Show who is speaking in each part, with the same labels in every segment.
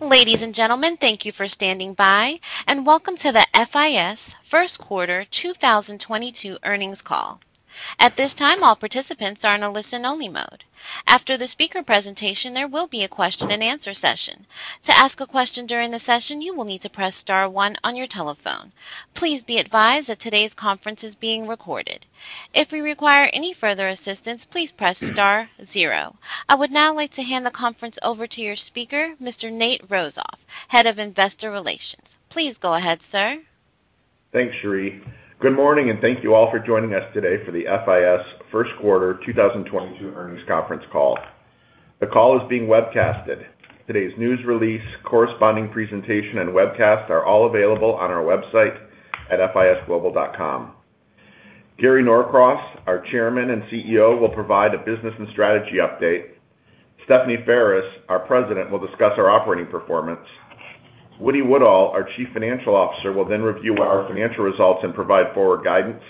Speaker 1: Ladies and gentlemen, thank you for standing by, and welcome to the FIS Q1 2022 Earnings Call. At this time, all participants are in a listen-only mode. After the speaker presentation, there will be a question and answer session. To ask a question during the session, you will need to press star one on your telephone. Please be advised that today's conference is being recorded. If you require any further assistance, please press star zero. I would now like to hand the conference over to your speaker, Mr. Nate Rozof, Head of Investor Relations. Please go ahead, sir.
Speaker 2: Thanks, Cherie. Good morning, and thank you all for joining us today for the FIS Q1 2022 earnings conference call. The call is being webcast. Today's news release, corresponding presentation, and webcast are all available on our website at fisglobal.com. Gary Norcross, our Chairman and CEO, will provide a business and strategy update. Stephanie Ferris, our President, will discuss our operating performance. James Woodall, our Chief Financial Officer, will then review our financial results and provide forward guidance.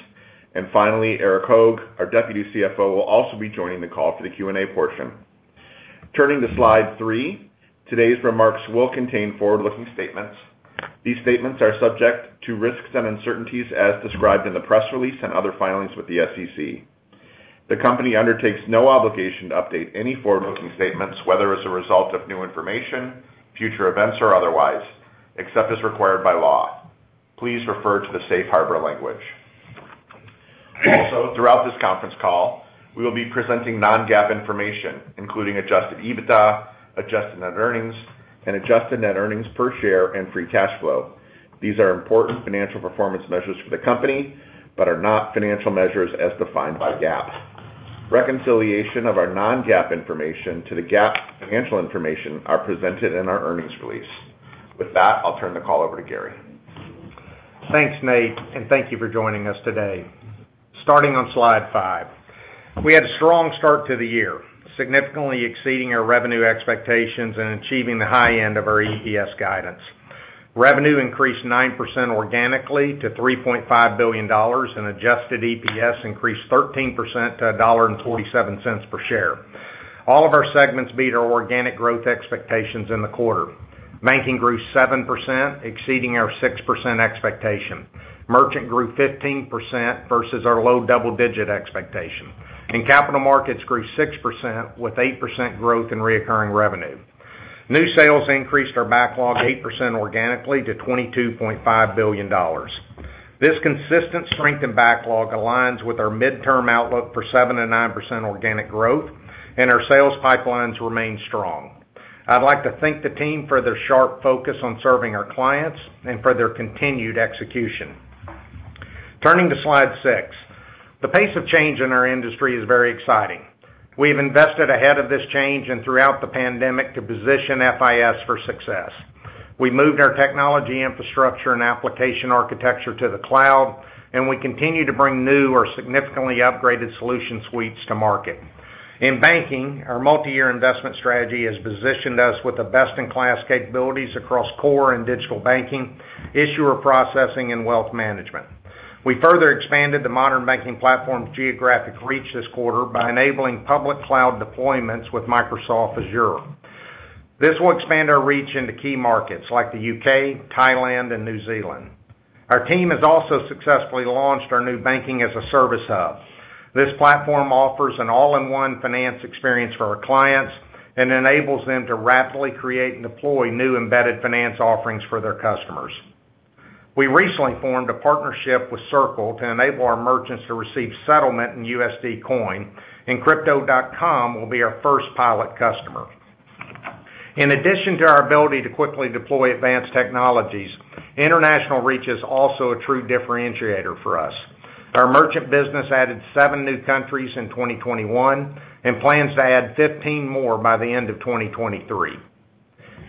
Speaker 2: Finally, Erik Hoag, our Deputy CFO, will also be joining the call for the Q&A portion. Turning to slide three, today's remarks will contain forward-looking statements. These statements are subject to risks and uncertainties as described in the press release and other filings with the SEC. The company undertakes no obligation to update any forward-looking statements, whether as a result of new information, future events, or otherwise, except as required by law. Please refer to the safe harbor language. Also, throughout this conference call, we will be presenting non-GAAP information, including adjusted EBITDA, adjusted net earnings, and adjusted net earnings per share and free cash flow. These are important financial performance measures for the company, but are not financial measures as defined by GAAP. Reconciliation of our non-GAAP information to the GAAP financial information are presented in our earnings release. With that, I'll turn the call over to Gary.
Speaker 3: Thanks, Nate, and thank you for joining us today. Starting on slide five. We had a strong start to the year, significantly exceeding our revenue expectations and achieving the high end of our EPS guidance. Revenue increased 9% organically to $3.5 billion, and adjusted EPS increased 13% to $1.47 per share. All of our segments beat our organic growth expectations in the quarter. Banking grew 7%, exceeding our 6% expectation. Merchant grew 15% versus our low double-digit expectation. Capital markets grew 6% with 8% growth in recurring revenue. New sales increased our backlog 8% organically to $22.5 billion. This consistent strength in backlog aligns with our midterm outlook for 7%-9% organic growth, and our sales pipelines remain strong. I'd like to thank the team for their sharp focus on serving our clients and for their continued execution. Turning to slide six. The pace of change in our industry is very exciting. We've invested ahead of this change and throughout the pandemic to position FIS for success. We moved our technology infrastructure and application architecture to the cloud, and we continue to bring new or significantly upgraded solution suites to market. In banking, our multi-year investment strategy has positioned us with the best-in-class capabilities across core and digital banking, issuer processing, and wealth management. We further expanded the Modern Banking Platform's geographic reach this quarter by enabling public cloud deployments with Microsoft Azure. This will expand our reach into key markets like the U.K., Thailand, and New Zealand. Our team has also successfully launched our new Banking-as-a-Service hub. This platform offers an all-in-one finance experience for our clients and enables them to rapidly create and deploy new embedded finance offerings for their customers. We recently formed a partnership with Circle to enable our merchants to receive settlement in USD Coin, and Crypto.com will be our first pilot customer. In addition to our ability to quickly deploy advanced technologies, international reach is also a true differentiator for us. Our merchant business added 7 new countries in 2021 and plans to add 15 more by the end of 2023.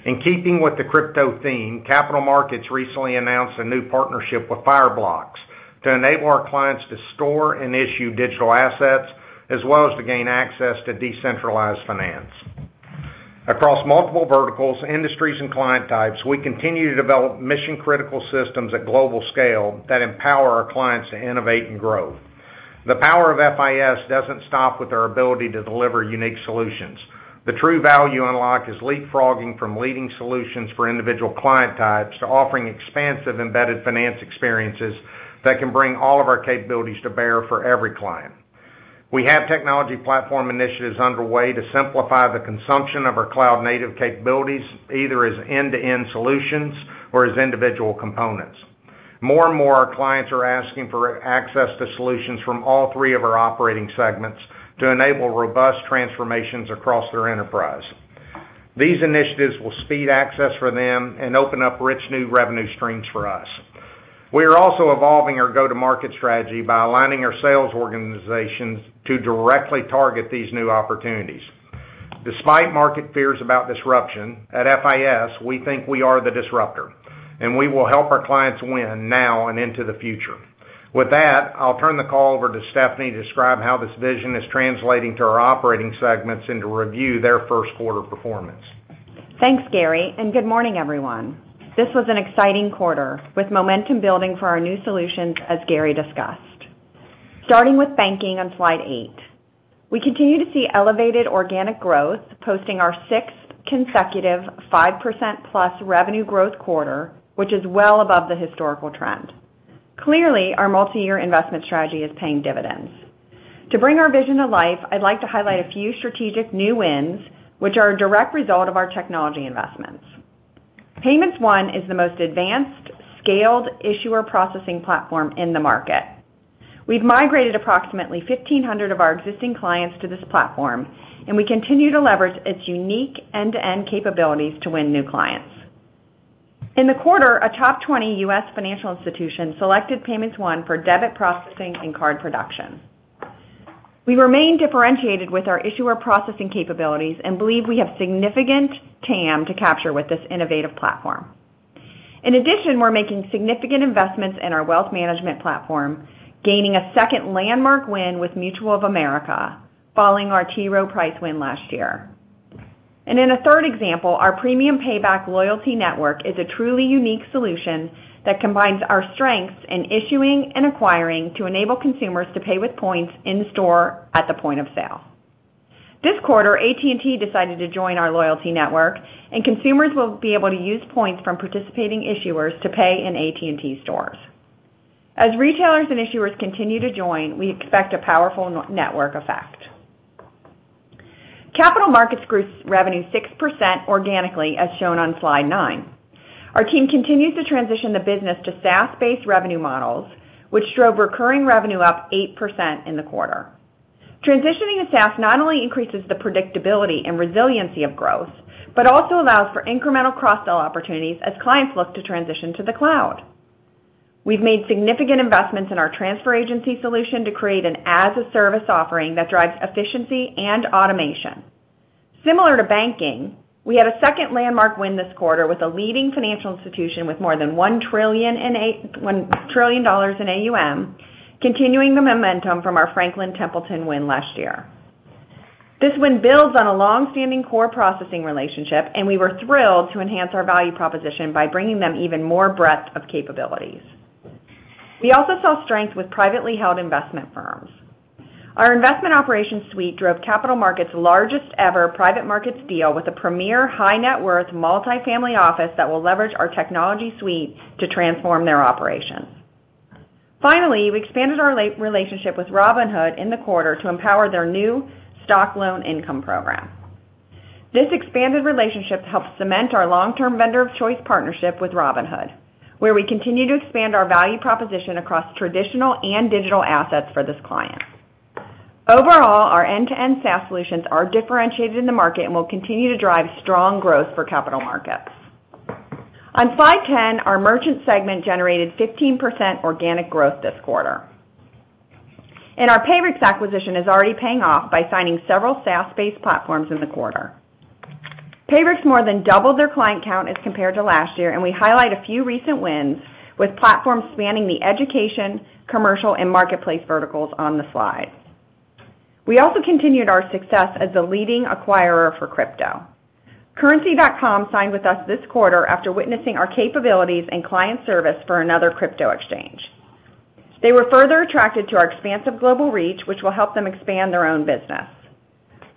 Speaker 3: In keeping with the crypto theme, capital markets recently announced a new partnership with Fireblocks to enable our clients to store and issue digital assets as well as to gain access to decentralized finance. Across multiple verticals, industries, and client types, we continue to develop mission-critical systems at global scale that empower our clients to innovate and grow. The power of FIS doesn't stop with our ability to deliver unique solutions. The true value unlock is leapfrogging from leading solutions for individual client types to offering expansive embedded finance experiences that can bring all of our capabilities to bear for every client. We have technology platform initiatives underway to simplify the consumption of our cloud-native capabilities, either as end-to-end solutions or as individual components. More and more, our clients are asking for access to solutions from all three of our operating segments to enable robust transformations across their enterprise. These initiatives will speed access for them and open up rich new revenue streams for us. We are also evolving our go-to-market strategy by aligning our sales organizations to directly target these new opportunities. Despite market fears about disruption, at FIS, we think we are the disruptor, and we will help our clients win now and into the future. With that, I'll turn the call over to Stephanie to describe how this vision is translating to our operating segments and to review their Q1 performance.
Speaker 4: Thanks, Gary, and good morning, everyone. This was an exciting quarter with momentum building for our new solutions, as Gary discussed. Starting with banking on slide eight. We continue to see elevated organic growth posting our sixth consecutive 5%+ revenue growth quarter, which is well above the historical trend. Clearly, our multi-year investment strategy is paying dividends. To bring our vision to life, I'd like to highlight a few strategic new wins which are a direct result of our technology investments. Payments One is the most advanced scaled issuer processing platform in the market. We've migrated approximately 1,500 of our existing clients to this platform, and we continue to leverage its unique end-to-end capabilities to win new clients. In the quarter, a top 20 U.S. financial institution selected Payments One for debit processing and card production. We remain differentiated with our issuer processing capabilities and believe we have significant TAM to capture with this innovative platform. In addition, we're making significant investments in our wealth management platform, gaining a second landmark win with Mutual of America following our T. Rowe Price win last year. In a third example, our Premium Payback loyalty network is a truly unique solution that combines our strengths in issuing and acquiring to enable consumers to pay with points in store at the point of sale. This quarter, AT&T decided to join our loyalty network and consumers will be able to use points from participating issuers to pay in AT&T stores. As retailers and issuers continue to join, we expect a powerful network effect. Capital Markets group's revenue 6% organically, as shown on slide nine. Our team continues to transition the business to SaaS-based revenue models, which drove recurring revenue up 8% in the quarter. Transitioning to SaaS not only increases the predictability and resiliency of growth, but also allows for incremental cross-sell opportunities as clients look to transition to the cloud. We've made significant investments in our transfer agency solution to create an as a service offering that drives efficiency and automation. Similar to banking, we had a second landmark win this quarter with a leading financial institution with more than $1 trillion in AUM, continuing the momentum from our Franklin Templeton win last year. This win builds on a long-standing core processing relationship, and we were thrilled to enhance our value proposition by bringing them even more breadth of capabilities. We also saw strength with privately held investment firms. Our investment operations suite drove capital markets largest ever private markets deal with a premier high net worth multifamily office that will leverage our technology suite to transform their operations. Finally, we expanded our relationship with Robinhood in the quarter to empower their new stock loan income program. This expanded relationship helped cement our long-term vendor of choice partnership with Robinhood, where we continue to expand our value proposition across traditional and digital assets for this client. Overall, our end-to-end SaaS solutions are differentiated in the market and will continue to drive strong growth for capital markets. On slide 10, our merchant segment generated 15% organic growth this quarter. Our Payrix acquisition is already paying off by signing several SaaS-based platforms in the quarter. Payrix more than doubled their client count as compared to last year, and we highlight a few recent wins with platforms spanning the education, commercial and marketplace verticals on the slide. We also continued our success as the leading acquirer for crypto. Currency.com signed with us this quarter after witnessing our capabilities and client service for another crypto exchange. They were further attracted to our expansive global reach, which will help them expand their own business.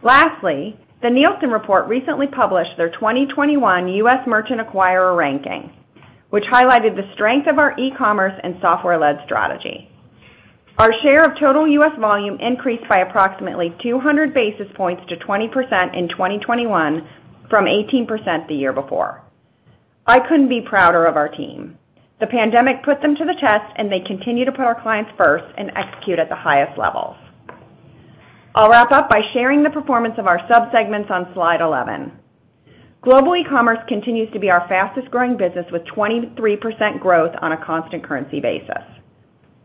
Speaker 4: Lastly, the Nielsen report recently published their 2021 US merchant acquirer ranking, which highlighted the strength of our e-commerce and software-led strategy. Our share of total US volume increased by approximately 200 basis points to 20% in 2021 from 18% the year before. I couldn't be prouder of our team. The pandemic put them to the test and they continue to put our clients first and execute at the highest levels. I'll wrap up by sharing the performance of our sub-segments on slide 11. Global e-commerce continues to be our fastest-growing business, with 23% growth on a constant currency basis.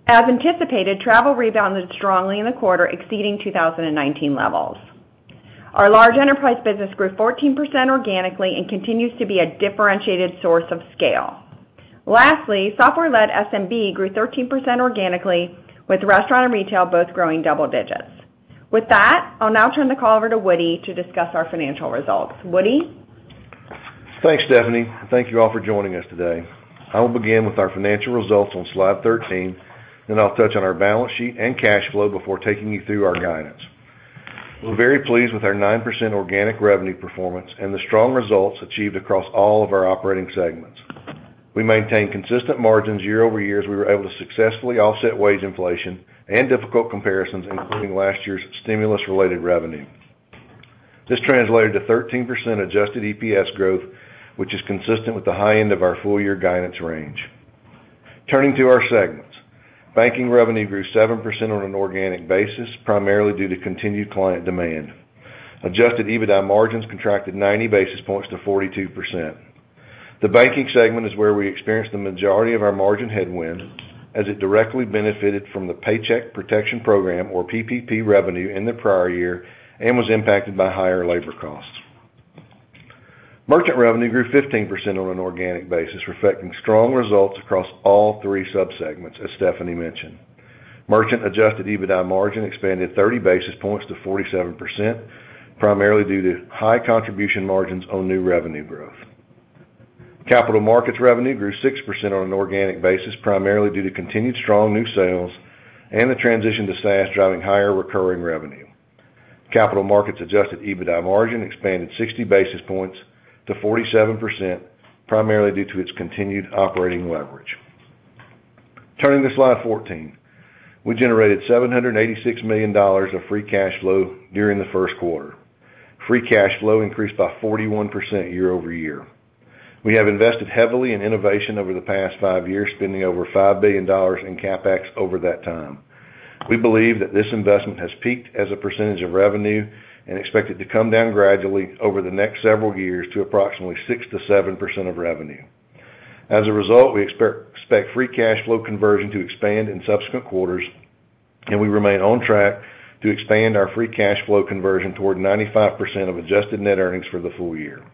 Speaker 4: As anticipated, travel rebounded strongly in the quarter, exceeding 2019 levels. Our large enterprise business grew 14% organically and continues to be a differentiated source of scale. Lastly, software-led SMB grew 13% organically, with restaurant and retail both growing double digits. With that, I'll now turn the call over to Woody to discuss our financial results. Woody?
Speaker 5: Thanks, Stephanie. Thank you all for joining us today. I will begin with our financial results on slide 13, then I'll touch on our balance sheet and cash flow before taking you through our guidance. We're very pleased with our 9% organic revenue performance and the strong results achieved across all of our operating segments. We maintained consistent margins year-over-year as we were able to successfully offset wage inflation and difficult comparisons, including last year's stimulus related revenue. This translated to 13% adjusted EPS growth, which is consistent with the high end of our full year guidance range. Turning to our segments. Banking revenue grew 7% on an organic basis, primarily due to continued client demand. Adjusted EBITDA margins contracted 90 basis points to 42%. The banking segment is where we experienced the majority of our margin headwind as it directly benefited from the Paycheck Protection Program or PPP revenue in the prior year and was impacted by higher labor costs. Merchant revenue grew 15% on an organic basis, reflecting strong results across all three sub-segments, as Stephanie mentioned. Merchant adjusted EBITDA margin expanded 30 basis points to 47%, primarily due to high contribution margins on new revenue growth. Capital markets revenue grew 6% on an organic basis, primarily due to continued strong new sales and the transition to SaaS driving higher recurring revenue. Capital markets adjusted EBITDA margin expanded 60 basis points to 47%, primarily due to its continued operating leverage. Turning to slide 14. We generated $786 million of free cash flow during the Q1. Free cash flow increased by 41% year-over-year. We have invested heavily in innovation over the past 5 years, spending over $5 billion in CapEx over that time. We believe that this investment has peaked as a percentage of revenue and expect it to come down gradually over the next several years to approximately 6%-7% of revenue. As a result, we expect free cash flow conversion to expand in subsequent quarters, and we remain on track to expand our free cash flow conversion toward 95% of adjusted net earnings for the full year.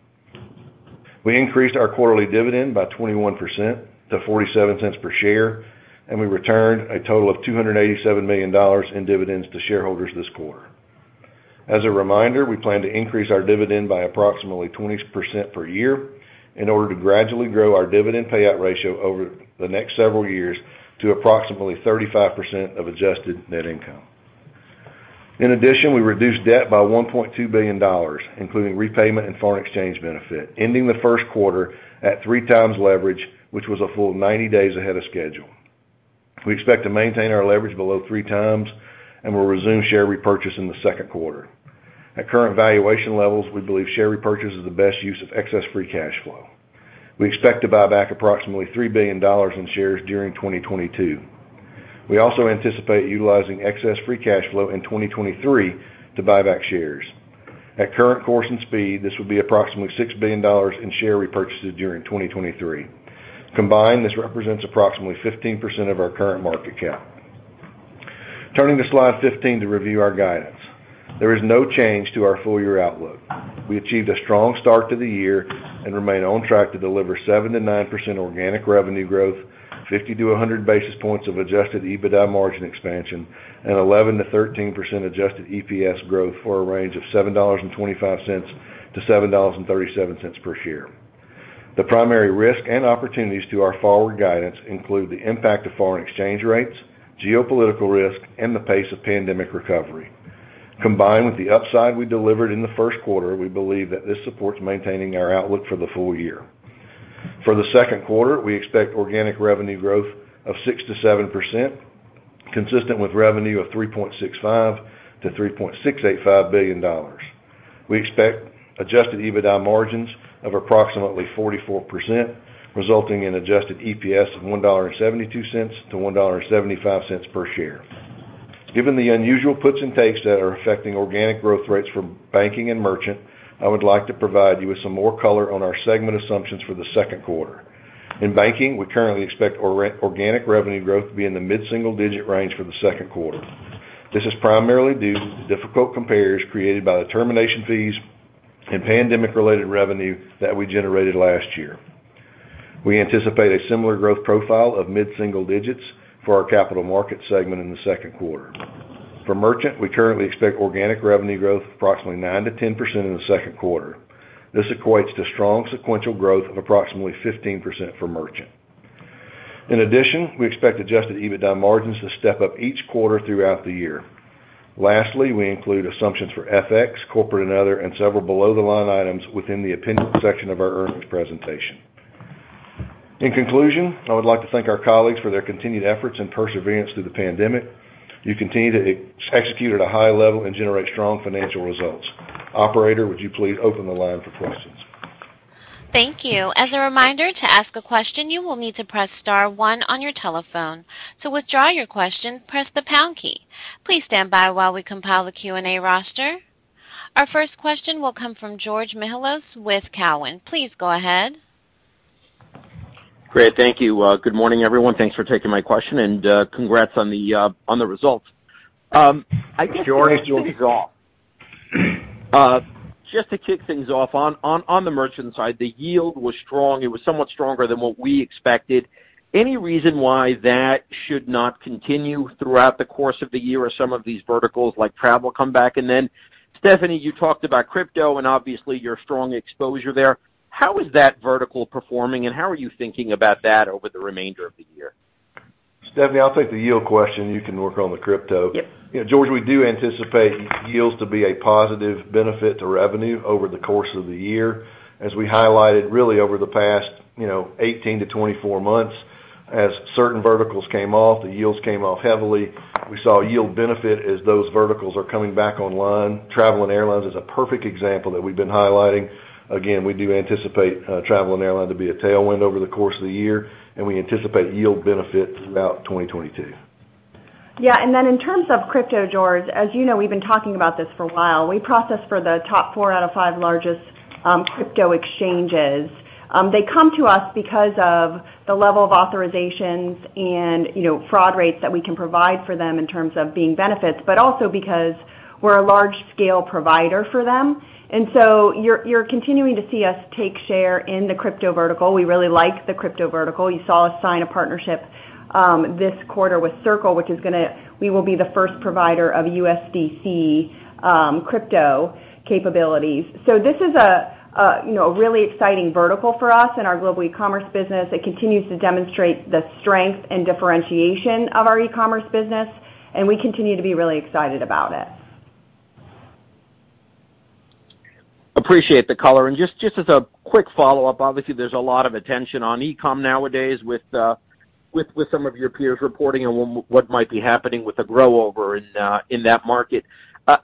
Speaker 5: We increased our quarterly dividend by 21% to $0.47 per share, and we returned a total of $287 million in dividends to shareholders this quarter. As a reminder, we plan to increase our dividend by approximately 20% per year in order to gradually grow our dividend payout ratio over the next several years to approximately 35% of adjusted net income. In addition, we reduced debt by $1.2 billion, including repayment and foreign exchange benefit, ending the Q1 at 3x leverage, which was a full 90 days ahead of schedule. We expect to maintain our leverage below 3x, and we'll resume share repurchase in the Q2. At current valuation levels, we believe share repurchase is the best use of excess free cash flow. We expect to buy back approximately $3 billion in shares during 2022. We also anticipate utilizing excess free cash flow in 2023 to buy back shares. At current course and speed, this will be approximately $6 billion in share repurchases during 2023. Combined, this represents approximately 15% of our current market cap. Turning to slide 15 to review our guidance. There is no change to our full year outlook. We achieved a strong start to the year and remain on track to deliver 7%-9% organic revenue growth, 50 to 100 basis points of adjusted EBITDA margin expansion, and 11%-13% adjusted EPS growth for a range of $7.25-$7.37 per share. The primary risk and opportunities to our forward guidance include the impact of foreign exchange rates, geopolitical risk, and the pace of pandemic recovery. Combined with the upside we delivered in the Q1, we believe that this supports maintaining our outlook for the full year. For the Q2, we expect organic revenue growth of 6%-7%, consistent with revenue of $3.65 billion-$3.685 billion. We expect adjusted EBITDA margins of approximately 44%, resulting in adjusted EPS of $1.72-$1.75 per share. Given the unusual puts and takes that are affecting organic growth rates for banking and merchant, I would like to provide you with some more color on our segment assumptions for the Q2. In banking, we currently expect organic revenue growth to be in the mid-single digit range for the Q2. This is primarily due to difficult compares created by the termination fees and pandemic-related revenue that we generated last year. We anticipate a similar growth profile of mid-single digits for our capital market segment in the Q2. For merchant, we currently expect organic revenue growth of approximately 9%-10% in the Q2. This equates to strong sequential growth of approximately 15% for merchant. In addition, we expect adjusted EBITDA margins to step up each quarter throughout the year. Lastly, we include assumptions for FX, corporate and other, and several below-the-line items within the appendix section of our earnings presentation. In conclusion, I would like to thank our colleagues for their continued efforts and perseverance through the pandemic. You continue to execute at a high level and generate strong financial results. Operator, would you please open the line for questions?
Speaker 1: Thank you. As a reminder, to ask a question, you will need to press star one on your telephone. To withdraw your question, press the pound key. Please stand by while we compile the Q&A roster. Our first question will come from George Mihalos with Cowen. Please go ahead.
Speaker 6: Great. Thank you. Good morning, everyone. Thanks for taking my question, and congrats on the results. I guess.
Speaker 5: George, you're off.
Speaker 6: Just to kick things off, on the merchant side, the yield was strong. It was somewhat stronger than what we expected. Any reason why that should not continue throughout the course of the year as some of these verticals like travel come back? Stephanie, you talked about crypto and obviously your strong exposure there. How is that vertical performing, and how are you thinking about that over the remainder of the year?
Speaker 5: Stephanie, I'll take the yield question. You can work on the crypto.
Speaker 4: Yep.
Speaker 5: You know, George, we do anticipate yields to be a positive benefit to revenue over the course of the year. As we highlighted really over the past, you know, 18-24 months, as certain verticals came off, the yields came off heavily. We saw yield benefit as those verticals are coming back online. Travel and airlines is a perfect example that we've been highlighting. Again, we do anticipate, travel and airline to be a tailwind over the course of the year, and we anticipate yield benefits throughout 2022.
Speaker 4: Yeah. In terms of crypto, George, as you know, we've been talking about this for a while. We process for the top 4 out of 5 largest crypto exchanges. They come to us because of the level of authorizations and, you know, fraud rates that we can provide for them in terms of the benefits, but also because we're a large-scale provider for them. You're continuing to see us take share in the crypto vertical. We really like the crypto vertical. You saw us sign a partnership this quarter with Circle, which we will be the first provider of USDC crypto capabilities. This is a, you know, really exciting vertical for us and our global e-commerce business. It continues to demonstrate the strength and differentiation of our e-commerce business, and we continue to be really excited about it.
Speaker 6: Appreciate the color. Just as a quick follow-up, obviously, there's a lot of attention on e-com nowadays with some of your peers reporting on what might be happening with the growth over in that market.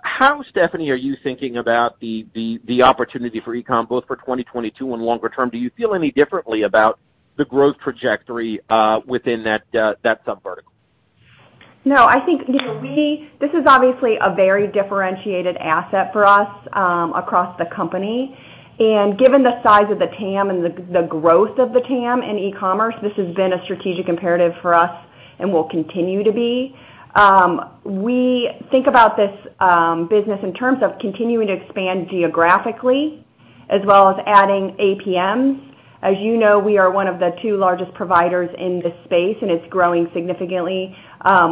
Speaker 6: How, Stephanie, are you thinking about the opportunity for e-com both for 2022 and longer term? Do you feel any differently about the growth trajectory within that sub-vertical?
Speaker 4: No, I think, you know, this is obviously a very differentiated asset for us across the company. Given the size of the TAM and the growth of the TAM in e-commerce, this has been a strategic imperative for us and will continue to be. We think about this business in terms of continuing to expand geographically as well as adding APMs. As you know, we are one of the two largest providers in this space, and it's growing significantly.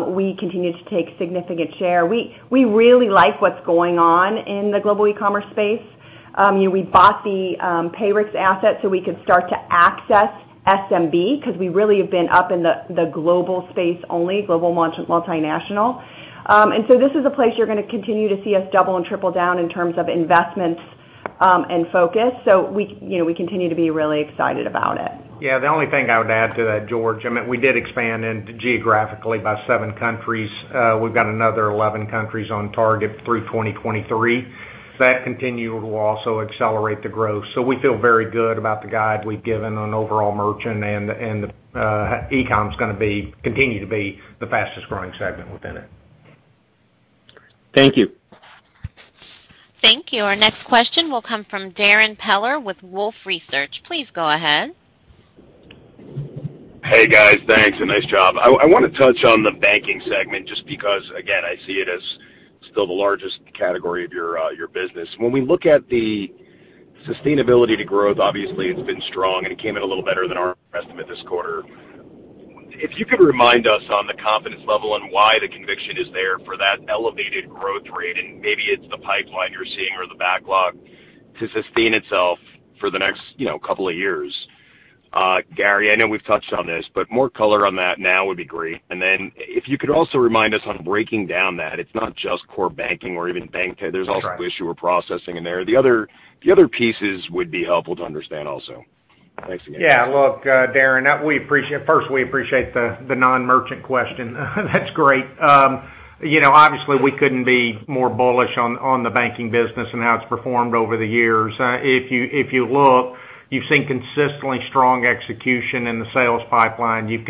Speaker 4: We continue to take significant share. We really like what's going on in the global e-commerce space. You know, we bought the Payrix asset so we could start to access SMB because we really have been up in the global space only, global multinational. This is a place you're gonna continue to see us double and triple down in terms of investments and focus. We, you know, continue to be really excited about it.
Speaker 3: Yeah. The only thing I would add to that, George, I mean, we did expand geographically into 7 countries. We've got another 11 countries on target through 2023. That will continue to also accelerate the growth. We feel very good about the guide we've given on overall merchant and e-com's gonna continue to be the fastest growing segment within it.
Speaker 6: Thank you.
Speaker 1: Thank you. Our next question will come from Darrin Peller with Wolfe Research. Please go ahead.
Speaker 7: Hey, guys. Thanks, and nice job. I wanna touch on the banking segment just because, again, I see it as still the largest category of your business. When we look at the sustainability to growth, obviously it's been strong, and it came in a little better than our estimate this quarter. If you could remind us on the confidence level and why the conviction is there for that elevated growth rate, and maybe it's the pipeline you're seeing or the backlog to sustain itself for the next, you know, couple of years. Gary, I know we've touched on this, but more color on that now would be great. Then if you could also remind us on breaking down that, it's not just core banking or even bank, there's also issuer processing in there. The other pieces would be helpful to understand also. Thanks again.
Speaker 3: Yeah. Look, Darrin, we appreciate the non-merchant question. That's great. You know, obviously, we couldn't be more bullish on the banking business and how it's performed over the years. If you look, you've seen consistently strong execution in the sales pipeline. You've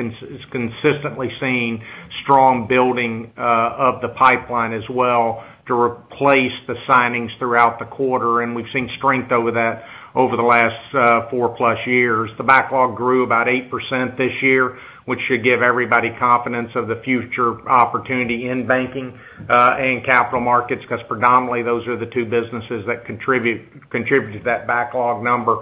Speaker 3: consistently seen strong building of the pipeline as well to replace the signings throughout the quarter, and we've seen strength over the last four-plus years. The backlog grew about 8% this year, which should give everybody confidence of the future opportunity in banking and capital markets, 'cause predominantly those are the two businesses that contribute to that backlog number.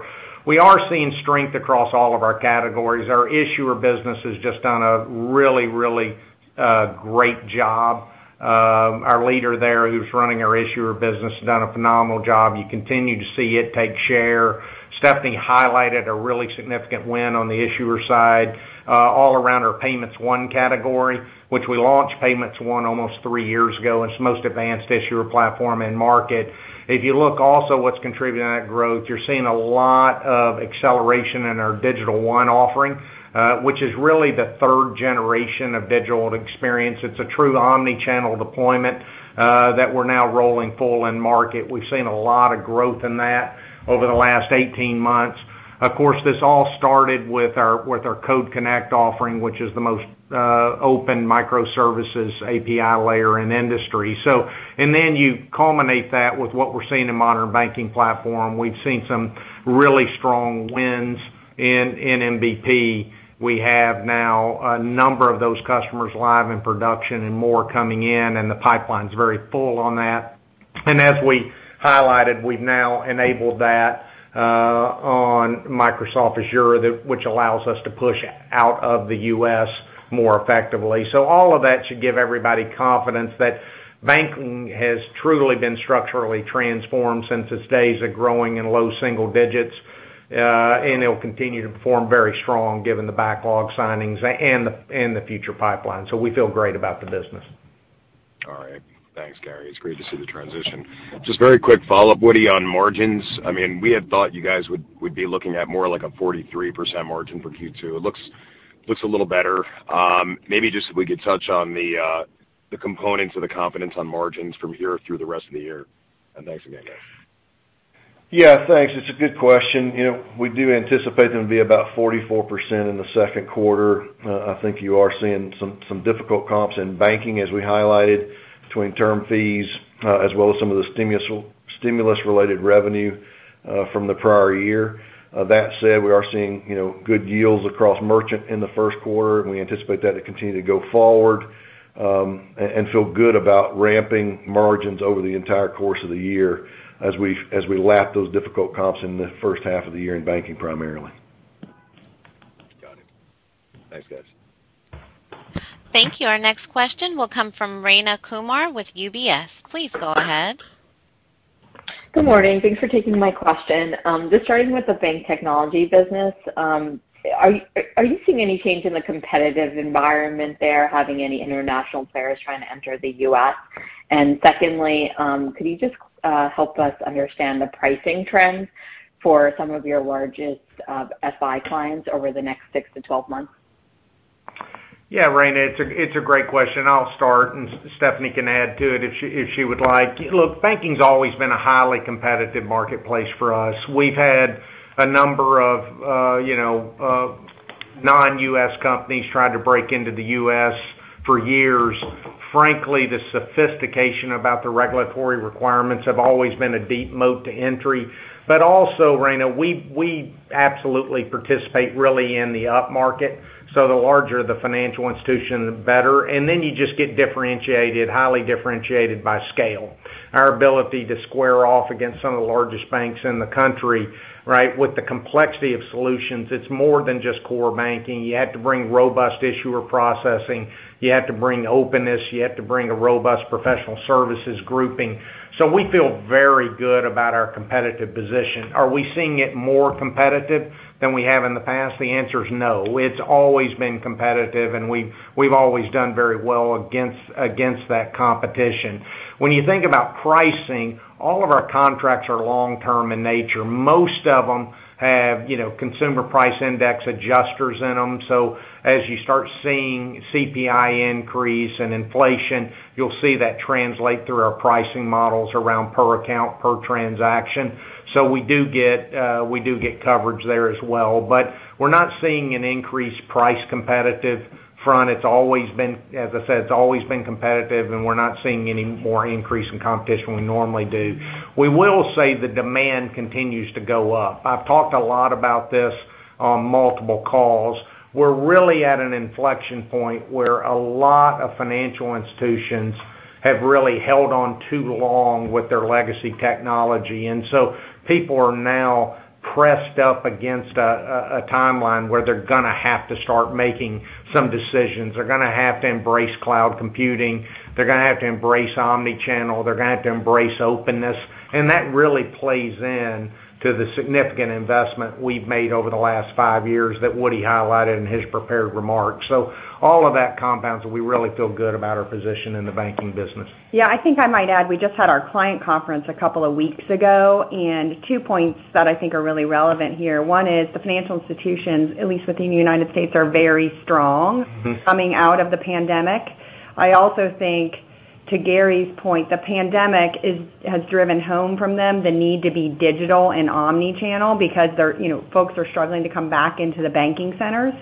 Speaker 3: We are seeing strength across all of our categories. Our issuer business has just done a really great job. Our leader there who's running our issuer business has done a phenomenal job. You continue to see it take share. Stephanie highlighted a really significant win on the issuer side, all around our Payments One category, which we launched Payments One almost three years ago, and it's the most advanced issuer platform in market. If you look also what's contributing to that growth, you're seeing a lot of acceleration in our Digital One offering, which is really the third generation of digital experience. It's a true omni-channel deployment, that we're now rolling full in market. We've seen a lot of growth in that over the last 18 months. Of course, this all started with our Code Connect offering, which is the most open microservices API layer in the industry. And then you culminate that with what we're seeing in Modern Banking Platform. We've seen some really strong wins in MVP. We have now a number of those customers live in production and more coming in, and the pipeline's very full on that. As we highlighted, we've now enabled that on Microsoft Azure, which allows us to push out of the U.S. more effectively. All of that should give everybody confidence that banking has truly been structurally transformed since its days of growing in low single digits, and it'll continue to perform very strong given the backlog signings and the future pipeline. We feel great about the business.
Speaker 7: All right. Thanks, Gary. It's great to see the transition. Just very quick follow-up, Woody, on margins. I mean, we had thought you guys would be looking at more like a 43% margin for Q2. It looks a little better. Maybe just if we could touch on the components of the confidence on margins from here through the rest of the year. Thanks again, guys.
Speaker 8: Yeah, thanks. It's a good question. You know, we do anticipate them to be about 44% in the Q2. I think you are seeing some difficult comps in banking, as we highlighted between term fees, as well as some of the stimulus-related revenue from the prior year. That said, we are seeing, you know, good yields across merchant in the Q1. We anticipate that to continue to go forward and feel good about ramping margins over the entire course of the year as we lap those difficult comps in the first half of the year in banking primarily.
Speaker 7: Got it. Thanks, guys.
Speaker 1: Thank you. Our next question will come from Rayna Kumar with UBS. Please go ahead.
Speaker 9: Good morning. Thanks for taking my question. Just starting with the bank technology business, are you seeing any change in the competitive environment there, having any international players trying to enter the U.S.? Secondly, could you just help us understand the pricing trends for some of your largest FI clients over the next 6-12 months?
Speaker 3: Yeah, Rayna, it's a great question. I'll start and Stephanie can add to it if she would like. Look, banking's always been a highly competitive marketplace for us. We've had a number of, you know, non-U.S. companies try to break into the U.S. for years. Frankly, the sophistication about the regulatory requirements have always been a deep moat to entry. But also, Rayna, we absolutely participate really in the upmarket, so the larger the financial institution, the better. And then you just get differentiated, highly differentiated by scale. Our ability to square off against some of the largest banks in the country, right, with the complexity of solutions, it's more than just core banking. You have to bring robust issuer processing. You have to bring openness. You have to bring a robust professional services grouping. We feel very good about our competitive position. Are we seeing it more competitive than we have in the past? The answer is no. It's always been competitive, and we've always done very well against that competition. When you think about pricing, all of our contracts are long-term in nature. Most of them have, you know, consumer price index adjusters in them. So as you start seeing CPI increase and inflation, you'll see that translate through our pricing models around per account, per transaction. So we do get coverage there as well. We're not seeing an increased price competitive front. It's always been, as I said, it's always been competitive, and we're not seeing any more increase in competition than we normally do. We will say the demand continues to go up. I've talked a lot about this on multiple calls. We're really at an inflection point where a lot of financial institutions have really held on too long with their legacy technology. People are now pressed up against a timeline where they're gonna have to start making some decisions. They're gonna have to embrace cloud computing. They're gonna have to embrace omni-channel. They're gonna have to embrace openness, and that really plays in to the significant investment we've made over the last five years that Woody highlighted in his prepared remarks. All of that compounds, and we really feel good about our position in the banking business.
Speaker 4: Yeah, I think I might add, we just had our client conference a couple of weeks ago, and two points that I think are really relevant here. One is the financial institutions, at least within the United States, are very strong.
Speaker 3: Mm-hmm
Speaker 4: Coming out of the pandemic. I also think, to Gary's point, the pandemic has driven home from them the need to be digital and omni-channel because they're, you know, folks are struggling to come back into the banking centers.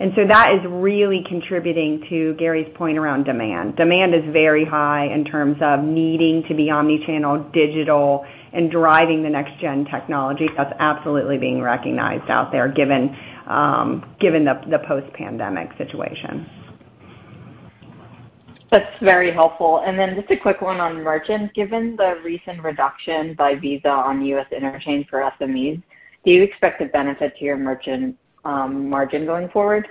Speaker 4: That is really contributing to Gary's point around demand. Demand is very high in terms of needing to be omni-channel, digital, and driving the next gen technology. That's absolutely being recognized out there given the post-pandemic situation.
Speaker 9: That's very helpful. Just a quick one on merchant. Given the recent reduction by Visa on U.S. interchange for SMEs, do you expect a benefit to your merchant, margin going forward?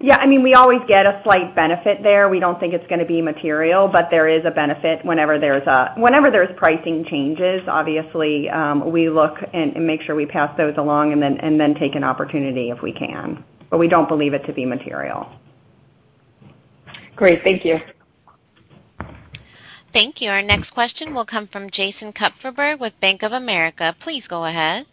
Speaker 4: Yeah. I mean, we always get a slight benefit there. We don't think it's gonna be material, but there is a benefit whenever there's pricing changes, obviously, we look and make sure we pass those along and then take an opportunity if we can. We don't believe it to be material.
Speaker 9: Great. Thank you.
Speaker 1: Thank you. Our next question will come from Jason Kupferberg with Bank of America. Please go ahead.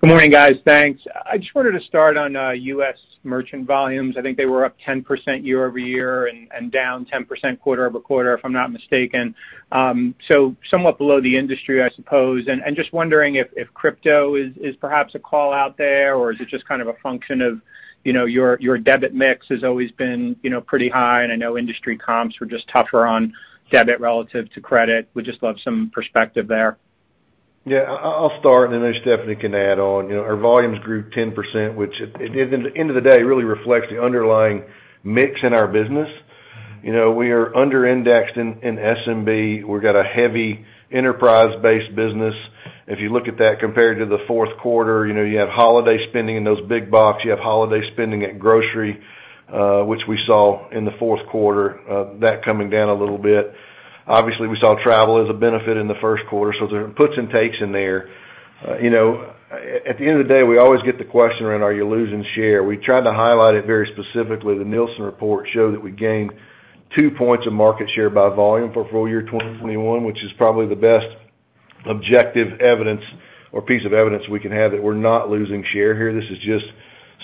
Speaker 10: Good morning, guys. Thanks. I just wanted to start on U.S. merchant volumes. I think they were up 10% year-over-year and down 10% quarter-over-quarter, if I'm not mistaken. Somewhat below the industry, I suppose. Just wondering if crypto is perhaps a call-out there, or is it just kind of a function of, you know, your debit mix has always been, you know, pretty high, and I know industry comps were just tougher on debit relative to credit. Would just love some perspective there.
Speaker 3: Yeah, I'll start and then Stephanie can add on. You know, our volumes grew 10%, which at the end of the day, really reflects the underlying mix in our business. You know, we are under-indexed in SMB. We've got a heavy enterprise-based business. If you look at that compared to the Q4, you know, you have holiday spending in those big box, you have holiday spending at grocery, which we saw in the Q4, that coming down a little bit. Obviously, we saw travel as a benefit in the Q1, so there are puts and takes in there. You know, at the end of the day, we always get the question around, "Are you losing share?" We try to highlight it very specifically. The Nielsen report showed that we gained two points of market share by volume for full year 2021, which is probably the best objective evidence or piece of evidence we can have that we're not losing share here. This is just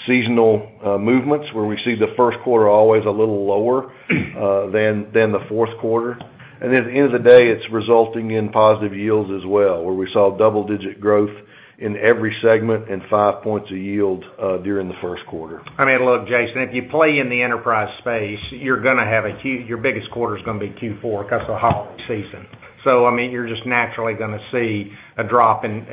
Speaker 3: seasonal movements where we see the Q1 always a little lower than the Q4. At the end of the day, it's resulting in positive yields as well, where we saw double-digit growth in every segment and 5 points of yield during the Q1. I mean, look, Jason, if you play in the enterprise space, you're gonna have your biggest quarter's gonna be Q4 'cause of holiday season. I mean, you're just naturally gonna see a drop in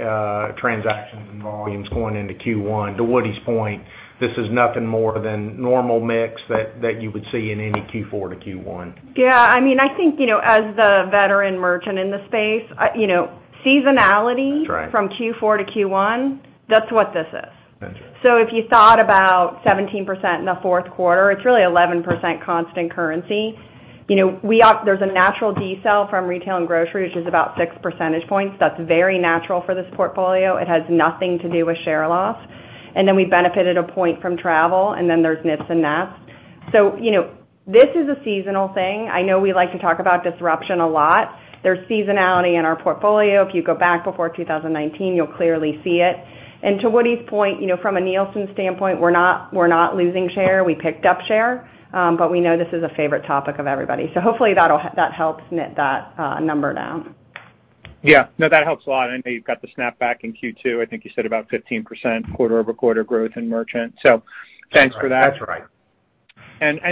Speaker 3: transactions and volumes going into Q1. To Woody's point, this is nothing more than normal mix that you would see in any Q4 to Q1.
Speaker 4: Yeah. I mean, I think, you know, as the veteran merchant in the space, I, you know, seasonality.
Speaker 3: That's right.
Speaker 4: From Q4 to Q1, that's what this is.
Speaker 3: Gotcha.
Speaker 4: If you thought about 17% in the Q4, it's really 11% constant currency. You know, there's a natural decel from retail and grocery, which is about six percentage points. That's very natural for this portfolio. It has nothing to do with share loss. Then we benefited a point from travel, and then there's nips and naps. You know, this is a seasonal thing. I know we like to talk about disruption a lot. There's seasonality in our portfolio. If you go back before 2019, you'll clearly see it. To Woody's point, you know, from a Nielsen standpoint, we're not losing share, we picked up share, but we know this is a favorite topic of everybody. Hopefully that'll help net that number down.
Speaker 10: Yeah. No, that helps a lot. I know you've got the snap back in Q2. I think you said about 15% quarter-over-quarter growth in merchant. Thanks for that.
Speaker 3: That's right.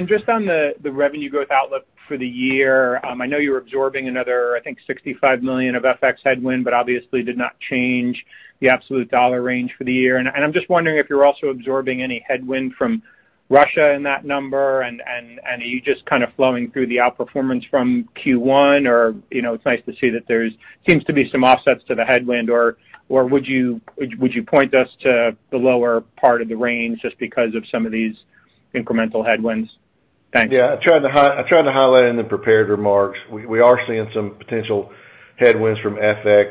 Speaker 10: Just on the revenue growth outlook for the year, I know you're absorbing another, I think, $65 million of FX headwind, but obviously did not change the absolute dollar range for the year. I'm just wondering if you're also absorbing any headwind from Russia in that number. Are you just kind of flowing through the outperformance from Q1? Or, you know, it's nice to see that there seems to be some offsets to the headwind, or would you point us to the lower part of the range just because of some of these incremental headwinds? Thanks.
Speaker 3: Yeah. I tried to highlight in the prepared remarks, we are seeing some potential headwinds from FX.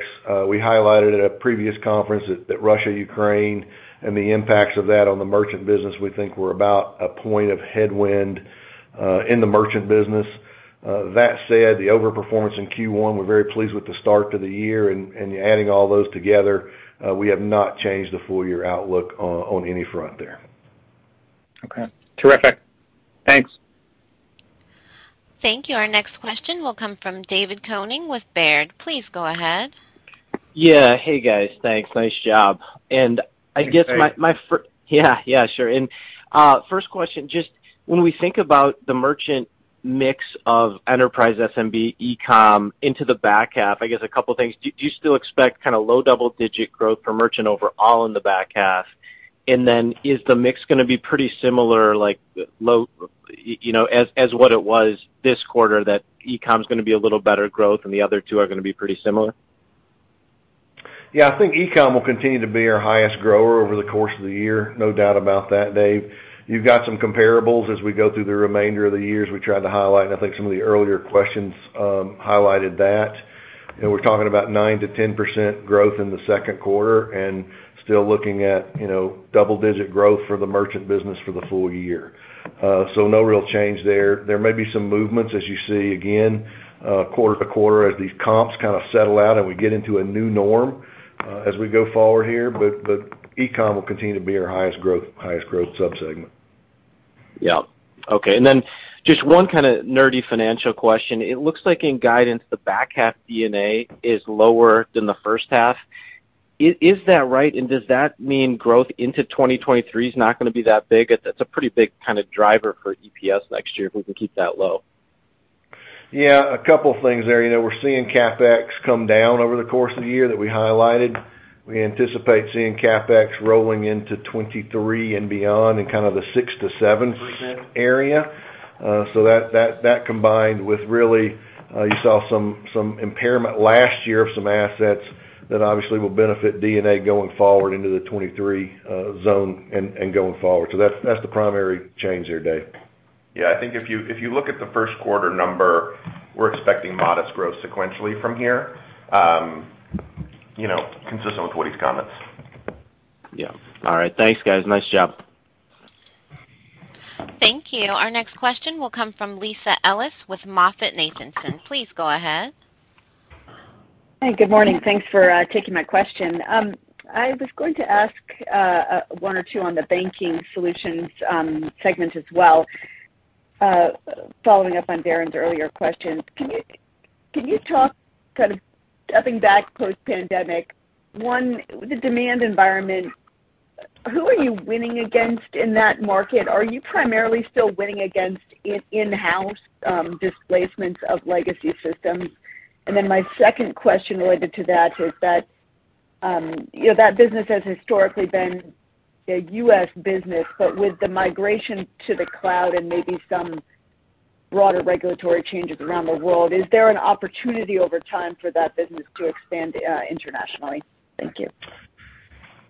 Speaker 3: We highlighted at a previous conference that Russia-Ukraine and the impacts of that on the merchant business, we think were about a point of headwind in the merchant business. That said, the overperformance in Q1, we're very pleased with the start to the year. Adding all those together, we have not changed the full year outlook on any front there.
Speaker 10: Okay. Terrific. Thanks.
Speaker 1: Thank you. Our next question will come from David Koning with Baird. Please go ahead.
Speaker 11: Yeah. Hey, guys. Thanks. Nice job. I guess my fir-
Speaker 3: Thanks, David.
Speaker 11: Yeah, yeah, sure. First question, just when we think about the merchant mix of enterprise SMB e-com into the back half, I guess a couple things. Do you still expect kinda low double-digit growth for merchant overall in the back half? Is the mix gonna be pretty similar, you know, as what it was this quarter that e-com's gonna be a little better growth and the other two are gonna be pretty similar?
Speaker 3: Yeah. I think e-com will continue to be our highest grower over the course of the year. No doubt about that, Dave. You've got some comparables as we go through the remainder of the years we tried to highlight, and I think some of the earlier questions highlighted that. You know, we're talking about 9%-10% growth in the Q2 and still looking at, you know, double-digit growth for the merchant business for the full year. So no real change there. There may be some movements as you see, again, quarter-to-quarter as these comps kind of settle out and we get into a new norm as we go forward here. But e-com will continue to be our highest growth sub-segment.
Speaker 11: Yeah. Okay. Then just one kind of nerdy financial question. It looks like in guidance, the back half D&A is lower than the first half. Is that right? Does that mean growth into 2023 is not gonna be that big? It's a pretty big kind of driver for EPS next year if we can keep that low.
Speaker 3: Yeah. A couple things there. You know, we're seeing CapEx come down over the course of the year that we highlighted. We anticipate seeing CapEx rolling into 2023 and beyond in kind of the 6%-7% area. So that combined with really, you saw some impairment last year of some assets that obviously will benefit D&A going forward into the 2023 zone and going forward. That's the primary change there, Dave.
Speaker 4: Yeah. I think if you look at the Q1 number, we're expecting modest growth sequentially from here. You know, consistent with Woody's comments.
Speaker 11: Yeah. All right. Thanks, guys. Nice job.
Speaker 1: Thank you. Our next question will come from Lisa Ellis with MoffettNathanson. Please go ahead.
Speaker 12: Hey, good morning. Thanks for taking my question. I was going to ask one or two on the banking solutions segment as well, following up on Darrin's earlier question. Can you talk kind of stepping back post-pandemic, one, the demand environment, who are you winning against in that market? Are you primarily still winning against in-house displacements of legacy systems? And then my second question related to that is that you know that business has historically been a U.S. business, but with the migration to the cloud and maybe some broader regulatory changes around the world, is there an opportunity over time for that business to expand internationally? Thank you.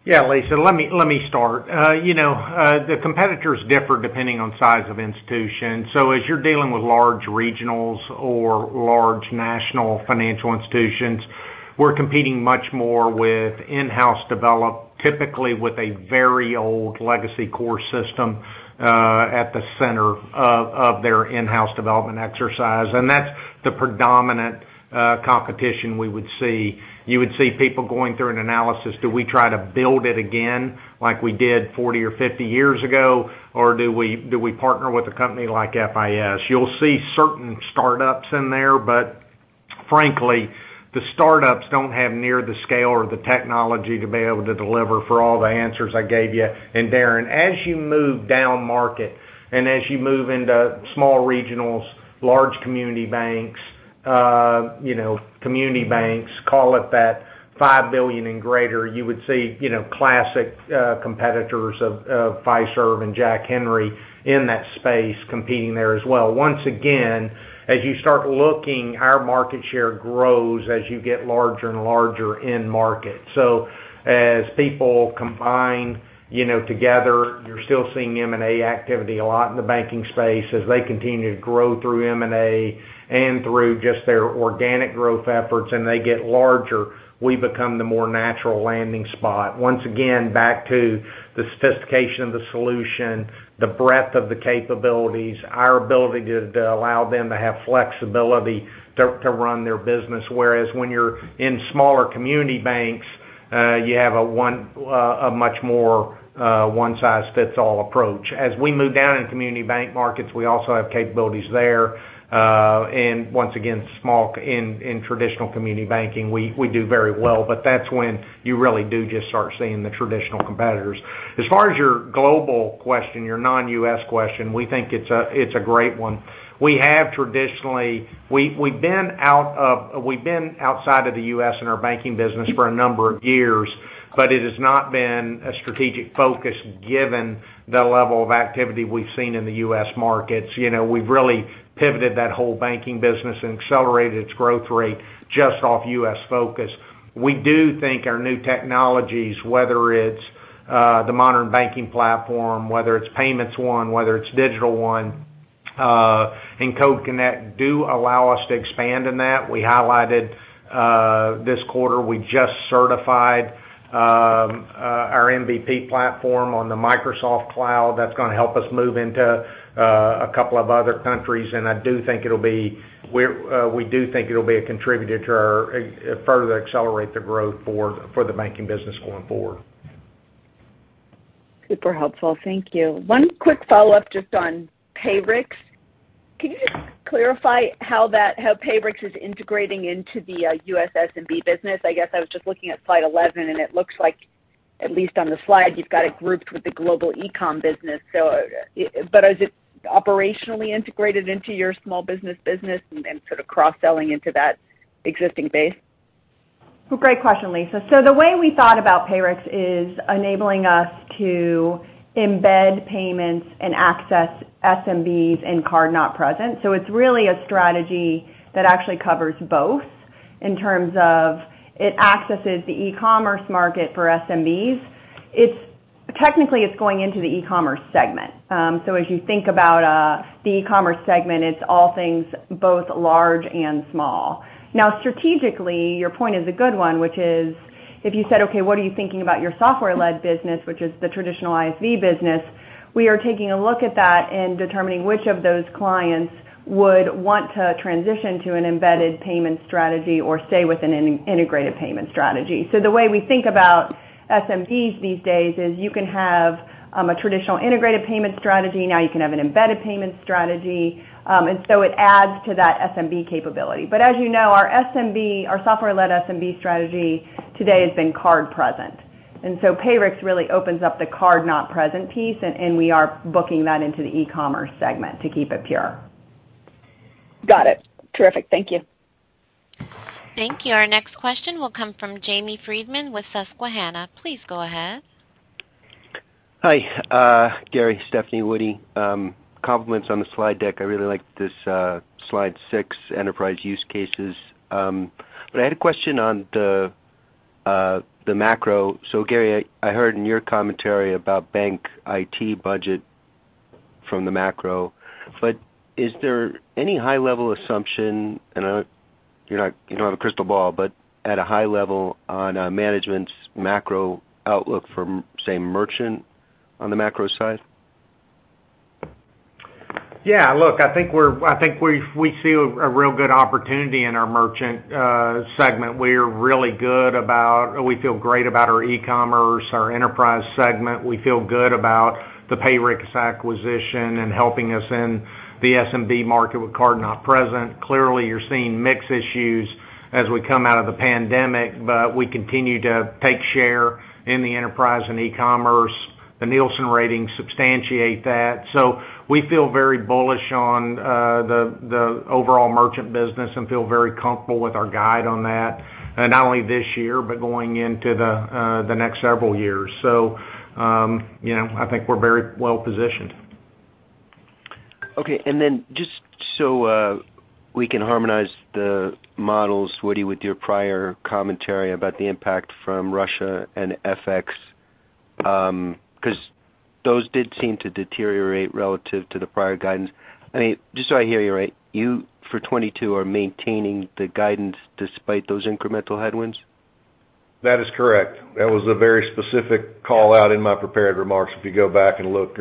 Speaker 3: Yeah. Lisa, let me start. You know, the competitors differ depending on size of institution. As you're dealing with large regionals or large national financial institutions, we're competing much more with in-house development, typically with a very old legacy core system at the center of their in-house development exercise. That's the predominant competition we would see. You would see people going through an analysis, do we try to build it again like we did 40 or 50 years ago, or do we partner with a company like FIS? You'll see certain startups in there, but frankly, the startups don't have near the scale or the technology to be able to deliver for all the answers I gave you. Darrin, as you move down market and as you move into small regionals, large community banks, you know, community banks, call it that, 5 billion and greater, you would see, you know, classic competitors of Fiserv and Jack Henry in that space competing there as well. Once again, as you start looking, our market share grows as you get larger and larger in market. As people combine, you know, together, you're still seeing M&A activity a lot in the banking space as they continue to grow through M&A and through just their organic growth efforts and they get larger, we become the more natural landing spot. Once again, back to the sophistication of the solution, the breadth of the capabilities, our ability to allow them to have flexibility to run their business. Whereas when you're in smaller community banks, you have a much more one-size-fits-all approach. As we move down in community bank markets, we also have capabilities there. Once again, smaller in traditional community banking, we do very well, but that's when you really do just start seeing the traditional competitors. As far as your global question, your non-U.S. question, we think it's a great one. We have traditionally been outside of the U.S. in our banking business for a number of years, but it has not been a strategic focus given the level of activity we've seen in the U.S. markets. You know, we've really pivoted that whole banking business and accelerated its growth rate just on U.S. focus. We do think our new technologies, whether it's the Modern Banking Platform, whether it's Payments One, whether it's Digital One, and Code Connect, do allow us to expand in that. We highlighted this quarter, we just certified our Modern Banking Platform on Microsoft Azure. That's gonna help us move into a couple of other countries. I do think it'll be a contributor to further accelerate the growth for the banking business going forward.
Speaker 12: Super helpful. Thank you. One quick follow-up just on Payrix. Can you just clarify how Payrix is integrating into the US SMB business? I guess I was just looking at slide 11, and it looks like, at least on the slide, you've got it grouped with the global e-com business. But is it operationally integrated into your small business business and sort of cross-selling into that existing base?
Speaker 4: Great question, Lisa. The way we thought about Payrix is enabling us to embed payments and access SMBs and card not present. It's really a strategy that actually covers both in terms of it accesses the e-commerce market for SMBs. It's technically going into the e-commerce segment. As you think about the e-commerce segment, it's all things both large and small. Now, strategically, your point is a good one, which is if you said, "Okay, what are you thinking about your software-led business," which is the traditional ISV business, we are taking a look at that and determining which of those clients would want to transition to an embedded payment strategy or stay with an integrated payment strategy. The way we think about SMBs these days is you can have a traditional integrated payment strategy. Now you can have an embedded payment strategy. It adds to that SMB capability. As you know, our SMB, our software-led SMB strategy today has been card present. Payrix really opens up the card not present piece, and we are booking that into the e-commerce segment to keep it pure.
Speaker 12: Got it. Terrific. Thank you.
Speaker 1: Thank you. Our next question will come from Jamie Friedman with Susquehanna. Please go ahead.
Speaker 13: Hi, Gary, Stephanie, Woody. Compliments on the slide deck. I really like this, slide six enterprise use cases. I had a question on the macro. Gary, I heard in your commentary about bank IT budget from the macro, but is there any high-level assumption, you don't have a crystal ball, but at a high level on management's macro outlook for, say, merchant on the macro side?
Speaker 3: Yeah, look, I think we see a real good opportunity in our merchant segment. We feel great about our e-commerce, our enterprise segment. We feel good about the Payrix acquisition and helping us in the SMB market with card not present. Clearly, you're seeing mix issues as we come out of the pandemic, but we continue to take share in the enterprise and e-commerce. The Nielsen ratings substantiate that. We feel very bullish on the overall merchant business and feel very comfortable with our guide on that, not only this year, but going into the next several years. You know, I think we're very well-positioned.
Speaker 13: Just so we can harmonize the models, Woody, with your prior commentary about the impact from Russia and FX, 'cause those did seem to deteriorate relative to the prior guidance. I mean, just so I hear you right, you for 2022 are maintaining the guidance despite those incremental headwinds?
Speaker 5: That is correct. That was a very specific call-out in my prepared remarks. If you go back and look,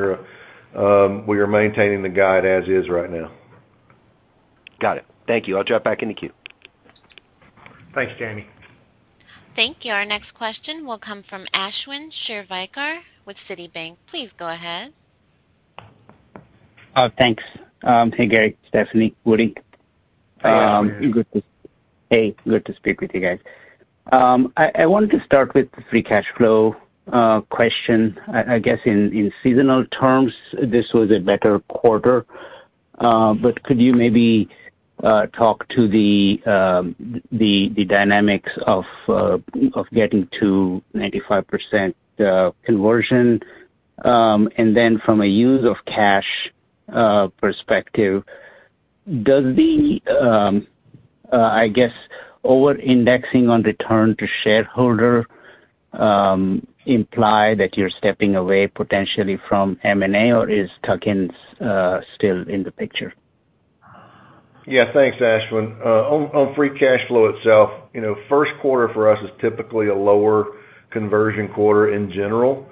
Speaker 5: we are maintaining the guide as is right now.
Speaker 13: Got it. Thank you. I'll drop back in the queue.
Speaker 3: Thanks, Jamie.
Speaker 1: Thank you. Our next question will come from Ashwin Shirvaikar with Citi. Please go ahead.
Speaker 14: Thanks. Hey, Gary, Stephanie, Woody.
Speaker 3: Hey, Ashwin.
Speaker 14: Hey, good to speak with you guys. I wanted to start with the free cash flow question. I guess in seasonal terms, this was a better quarter. Could you maybe talk to the dynamics of getting to 95% conversion? From a use of cash perspective, does the over-indexing on return to shareholder imply that you're stepping away potentially from M&A, or is tuck-ins still in the picture?
Speaker 5: Yeah. Thanks, Ashwin. On free cash flow itself, you know, Q1 for us is typically a lower conversion quarter in general,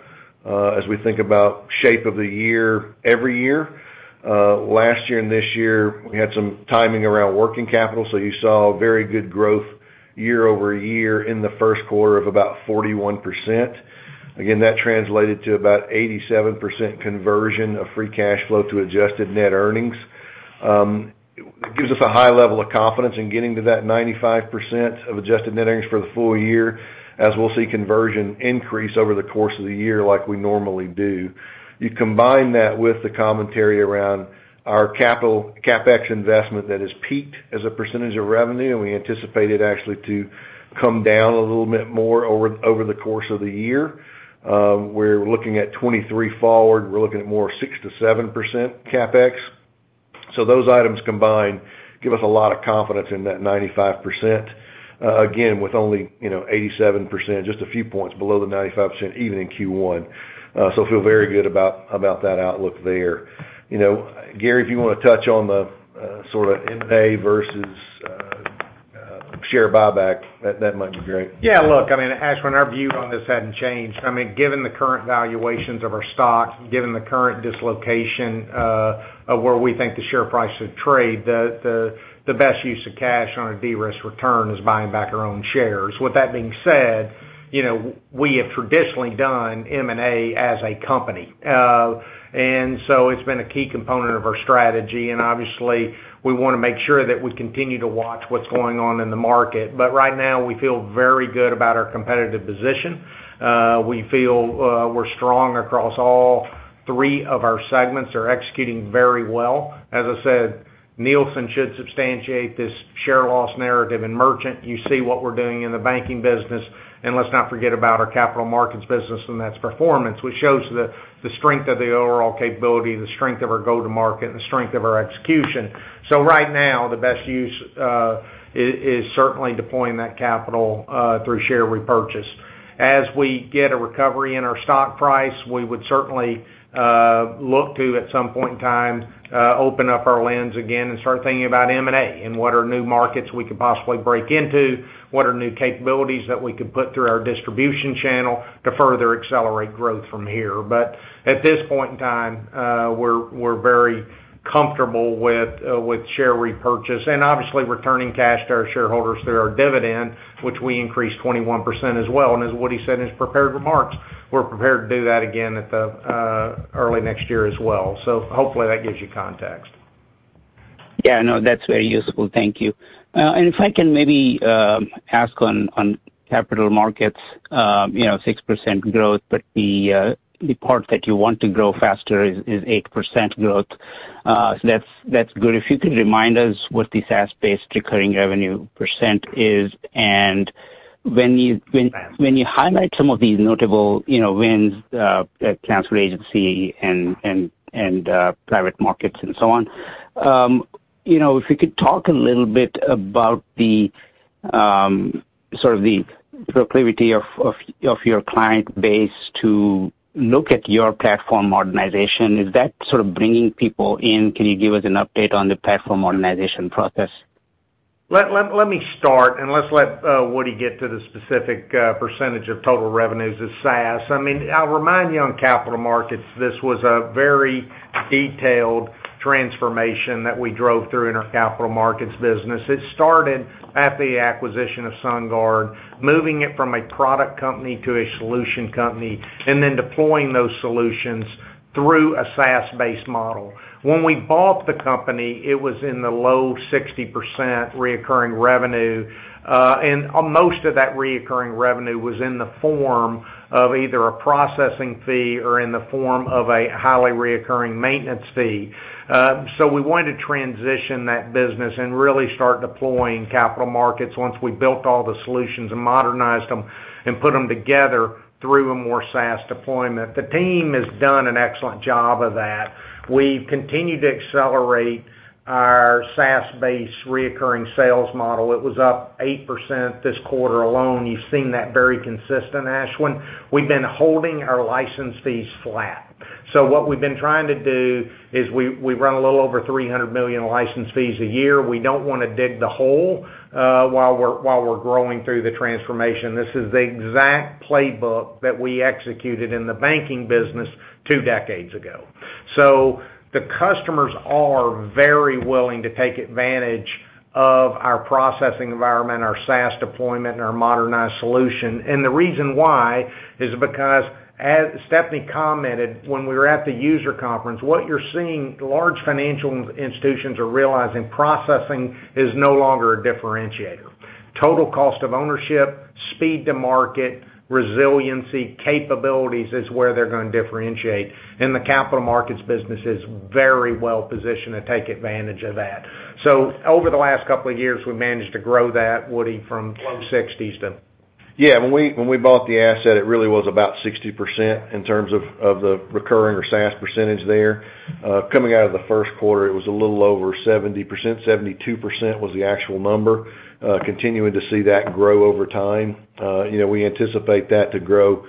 Speaker 5: as we think about shape of the year every year. Last year and this year, we had some timing around working capital, so you saw very good growth year-over-year in the Q1 of about 41%. Again, that translated to about 87% conversion of free cash flow to adjusted net earnings. It gives us a high level of confidence in getting to that 95% of adjusted net earnings for the full year as we'll see conversion increase over the course of the year like we normally do. You combine that with the commentary around our capital CapEx investment that has peaked as a percentage of revenue, and we anticipate it actually to come down a little bit more over the course of the year. We're looking at 2023 forward, we're looking at more of 6%-7% CapEx. Those items combined give us a lot of confidence in that 95%, again, with only, you know, 87%, just a few points below the 95% even in Q1. Feel very good about that outlook there. You know, Gary, if you wanna touch on the sort of M&A versus share buyback, that might be great.
Speaker 3: Yeah, look, I mean, Ashwin, our view on this hadn't changed. I mean, given the current valuations of our stock, given the current dislocation of where we think the share price should trade, the best use of cash on a de-risk return is buying back our own shares. With that being said, you know, we have traditionally done M&A as a company. It's been a key component of our strategy, and obviously, we wanna make sure that we continue to watch what's going on in the market. Right now, we feel very good about our competitive position. We feel we're strong across all three of our segments are executing very well. As I said, Nielsen should substantiate this share loss narrative in Merchant. You see what we're doing in the banking business, and let's not forget about our capital markets business and that's performance, which shows the strength of the overall capability, the strength of our go-to-market, and the strength of our execution. Right now, the best use is certainly deploying that capital through share repurchase. As we get a recovery in our stock price, we would certainly look to, at some point in time, open up our lens again and start thinking about M&A and what are new markets we could possibly break into, what are new capabilities that we could put through our distribution channel to further accelerate growth from here. At this point in time, we're very comfortable with share repurchase and obviously returning cash to our shareholders through our dividend, which we increased 21% as well. As Woody said in his prepared remarks, we're prepared to do that again at the early next year as well. Hopefully that gives you context.
Speaker 14: Yeah, no, that's very useful. Thank you. If I can maybe ask on capital markets, you know, 6% growth, but the part that you want to grow faster is 8% growth. That's good. If you could remind us what the SaaS-based recurring revenue % is, and when you highlight some of these notable wins at CalPERS agency and private markets and so on, you know, if you could talk a little bit about the sort of the proclivity of your client base to look at your platform modernization, is that sort of bringing people in? Can you give us an update on the platform modernization process?
Speaker 3: Let me start, and let Woody get to the specific percentage of total revenues as SaaS. I mean, I'll remind you on capital markets. This was a very detailed transformation that we drove through in our capital markets business. It started at the acquisition of SunGard, moving it from a product company to a solution company, and then deploying those solutions through a SaaS-based model. When we bought the company, it was in the low 60% recurring revenue, and most of that recurring revenue was in the form of either a processing fee or in the form of a highly recurring maintenance fee. We wanted to transition that business and really start deploying capital markets once we built all the solutions and modernized them and put them together through a more SaaS deployment. The team has done an excellent job of that. We've continued to accelerate our SaaS-based recurring sales model. It was up 8% this quarter alone. You've seen that very consistent, Ashwin. We've been holding our license fees flat. What we've been trying to do is we run a little over $300 million in license fees a year. We don't wanna dig the hole while we're growing through the transformation. This is the exact playbook that we executed in the banking business two decades ago. The customers are very willing to take advantage of our processing environment, our SaaS deployment, and our modernized solution. The reason why is because, as Stephanie commented when we were at the user conference, what you're seeing large financial institutions are realizing processing is no longer a differentiator. Total cost of ownership, speed to market, resiliency, capabilities is where they're gonna differentiate, and the capital markets business is very well positioned to take advantage of that. Over the last couple of years, we've managed to grow that, Woody, from low 60s to. Yeah, when we bought the asset, it really was about 60% in terms of the recurring or SaaS percentage there. Coming out of the Q1, it was a little over 70%. 72% was the actual number. Continuing to see that grow over time. You know, we anticipate that to grow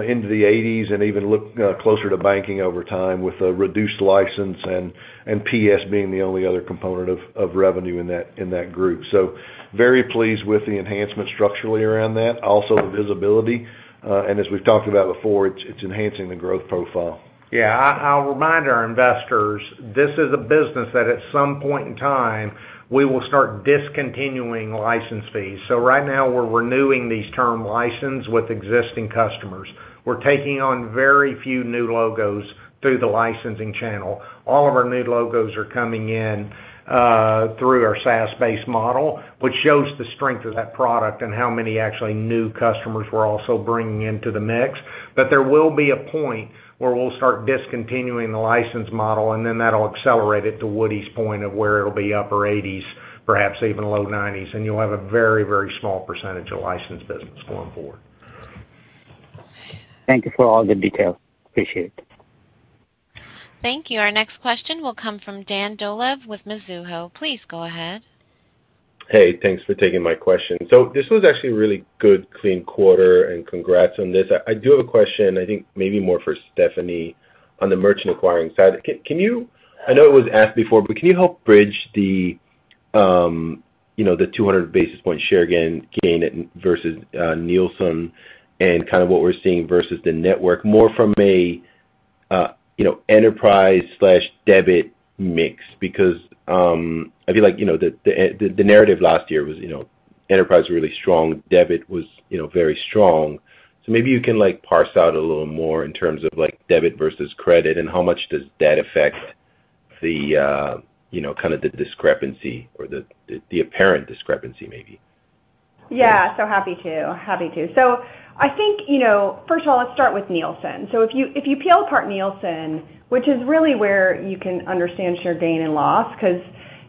Speaker 3: into the 80s and even look closer to banking over time with a reduced license and PS being the only other component of revenue in that group. Very pleased with the enhancement structurally around that, also the visibility. As we've talked about before, it's enhancing the growth profile. Yeah. I'll remind our investors, this is a business that at some point in time, we will start discontinuing license fees. Right now we're renewing these term license with existing customers. We're taking on very few new logos through the licensing channel. All of our new logos are coming in through our SaaS-based model, which shows the strength of that product and how many actually new customers we're also bringing into the mix. There will be a point where we'll start discontinuing the license model, and then that'll accelerate it to Woody's point of where it'll be upper 80s%, perhaps even low 90s%. You'll have a very, very small percentage of licensed business going forward.
Speaker 14: Thank you for all the detail. Appreciate it.
Speaker 1: Thank you. Our next question will come from Dan Dolev with Mizuho. Please go ahead.
Speaker 15: Hey, thanks for taking my question. This was actually a really good clean quarter, and congrats on this. I do have a question, I think maybe more for Stephanie on the merchant acquiring side. Can you? I know it was asked before, but can you help bridge the, you know, the 200 basis points share gain versus Nielsen and kind of what we're seeing versus the network more from a, you know, enterprise/debit mix? Because I feel like, you know, the narrative last year was, you know, enterprise really strong, debit was very strong. Maybe you can like parse out a little more in terms of like debit versus credit and how much does that affect the, you know, kind of the discrepancy or the apparent discrepancy maybe.
Speaker 4: Yeah, happy to. I think, you know, first of all, let's start with Nielsen. If you peel apart Nielsen, which is really where you can understand share gain and loss because,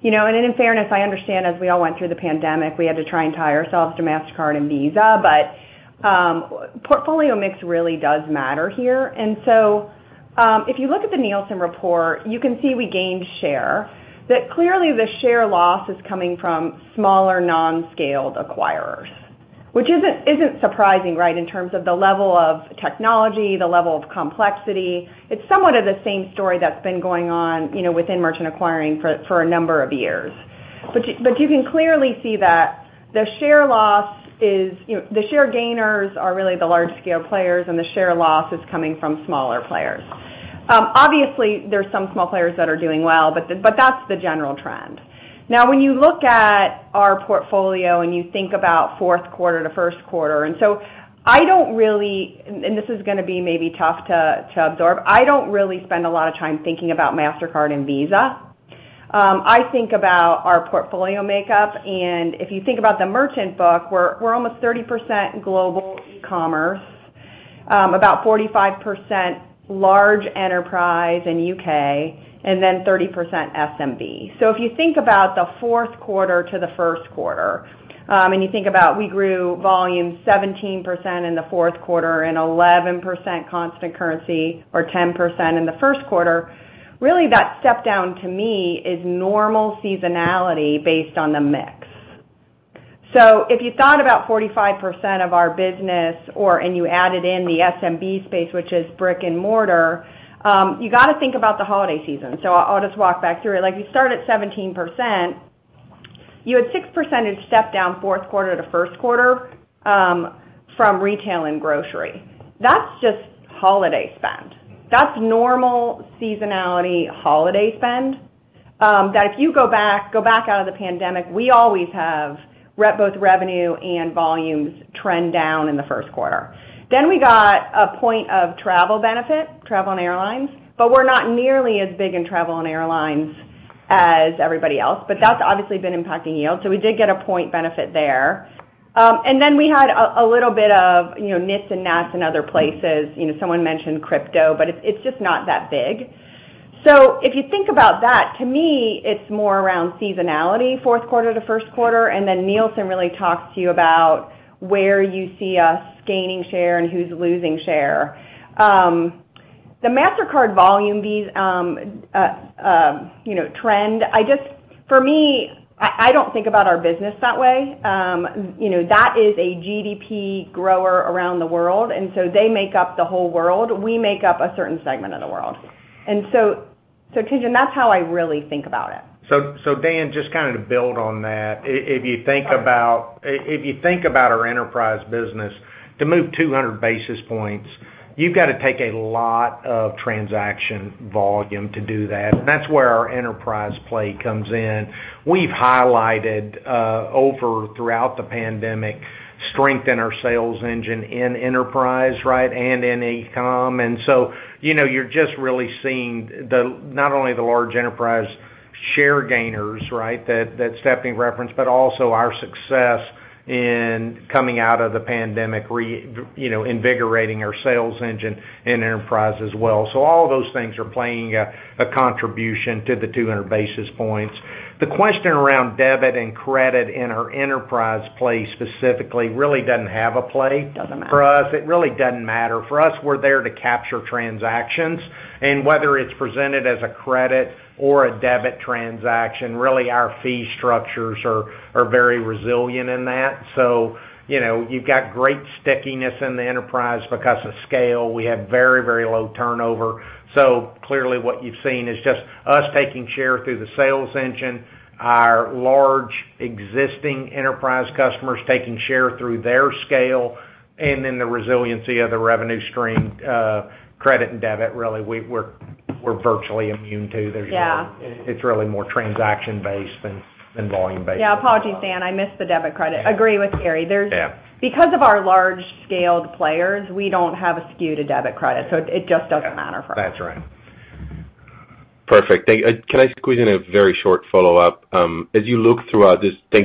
Speaker 4: you know, and in fairness, I understand as we all went through the pandemic, we had to try and tie ourselves to Mastercard and Visa. But portfolio mix really does matter here. If you look at the Nielsen report, you can see we gained share. That clearly the share loss is coming from smaller non-scaled acquirers, which isn't surprising, right? In terms of the level of technology, the level of complexity. It's somewhat of the same story that's been going on, you know, within merchant acquiring for a number of years. You can clearly see that the share loss is the share gainers are really the large scale players, and the share loss is coming from smaller players. Obviously, there's some small players that are doing well, but that's the general trend. Now when you look at our portfolio and you think about Q4 to Q1, and so I don't really, and this is gonna be maybe tough to absorb. I don't really spend a lot of time thinking about Mastercard and Visa. I think about our portfolio makeup, and if you think about the merchant book, we're almost 30% global e-commerce, about 45% large enterprise and UK, and then 30% SMB. If you think about the Q4 to the Q1, and you think about we grew volume 17% in the Q4 and 11% constant currency or 10% in the Q1, really that step down to me is normal seasonality based on the mix. If you thought about 45% of our business, and you added in the SMB space, which is brick-and-mortar, you got to think about the holiday season. I'll just walk back through it. Like you start at 17%. You had 6 percentage step down Q4 to Q1, from retail and grocery. That's just holiday spend. That's normal seasonality holiday spend, that if you go back out of the pandemic, we always have both revenue and volumes trend down in the Q1. We got a point of travel benefit, travel and airlines, but we're not nearly as big in travel and airlines as everybody else. That's obviously been impacting yield. We did get a point benefit there. We had a little bit of, you know, nits and gnats in other places. You know, someone mentioned crypto, but it's just not that big. If you think about that, to me, it's more around seasonality, Q4 to Q1, and then Nielsen really talks to you about where you see us gaining share and who's losing share. The Mastercard volume versus, you know, trend, I just for me, I don't think about our business that way. You know, that is a GDP grower around the world, and so they make up the whole world. We make up a certain segment of the world and so Dolev that's how I really think about it.
Speaker 3: Dan, just kind of to build on that. If you think about our enterprise business, to move 200 basis points, you've got to take a lot of transaction volume to do that. That's where our enterprise play comes in. We've highlighted throughout the pandemic strength in our sales engine in enterprise, right, and in e-com. You know, you're just really seeing not only the large enterprise share gainers, right? That Stephanie referenced, but also our success in coming out of the pandemic reinvigorating our sales engine in enterprise as well. All of those things are making a contribution to the 200 basis points. The question around debit and credit in our enterprise play specifically really doesn't have a play.
Speaker 4: Doesn't matter.
Speaker 3: For us, it really doesn't matter. For us, we're there to capture transactions. Whether it's presented as a credit or a debit transaction, really our fee structures are very resilient in that. You know, you've got great stickiness in the enterprise because of scale. We have very, very low turnover. Clearly what you've seen is just us taking share through the sales engine, our large existing enterprise customers taking share through their scale, and then the resiliency of the revenue stream, credit and debit, really we're virtually immune to.
Speaker 4: Yeah.
Speaker 3: It's really more transaction based than volume based.
Speaker 4: Yeah. Apologies, Dan. I missed the debit credit. Agree with Gary.
Speaker 3: Yeah.
Speaker 4: Because of our large-scale players, we don't have a skew to debit/credit, so it just doesn't matter for us.
Speaker 3: That's right.
Speaker 15: Perfect. Thank you. Can I squeeze in a very short follow-up? Thank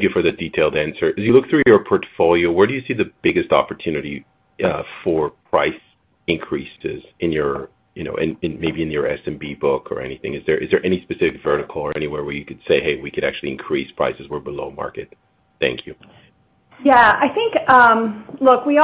Speaker 15: you for the detailed answer. As you look through your portfolio, where do you see the biggest opportunity, for price increases in your, you know, in maybe in your SMB book or anything? Is there any specific vertical or anywhere where you could say, "Hey, we could actually increase prices. We're below market." Thank you.
Speaker 4: Yeah, I think, look, we're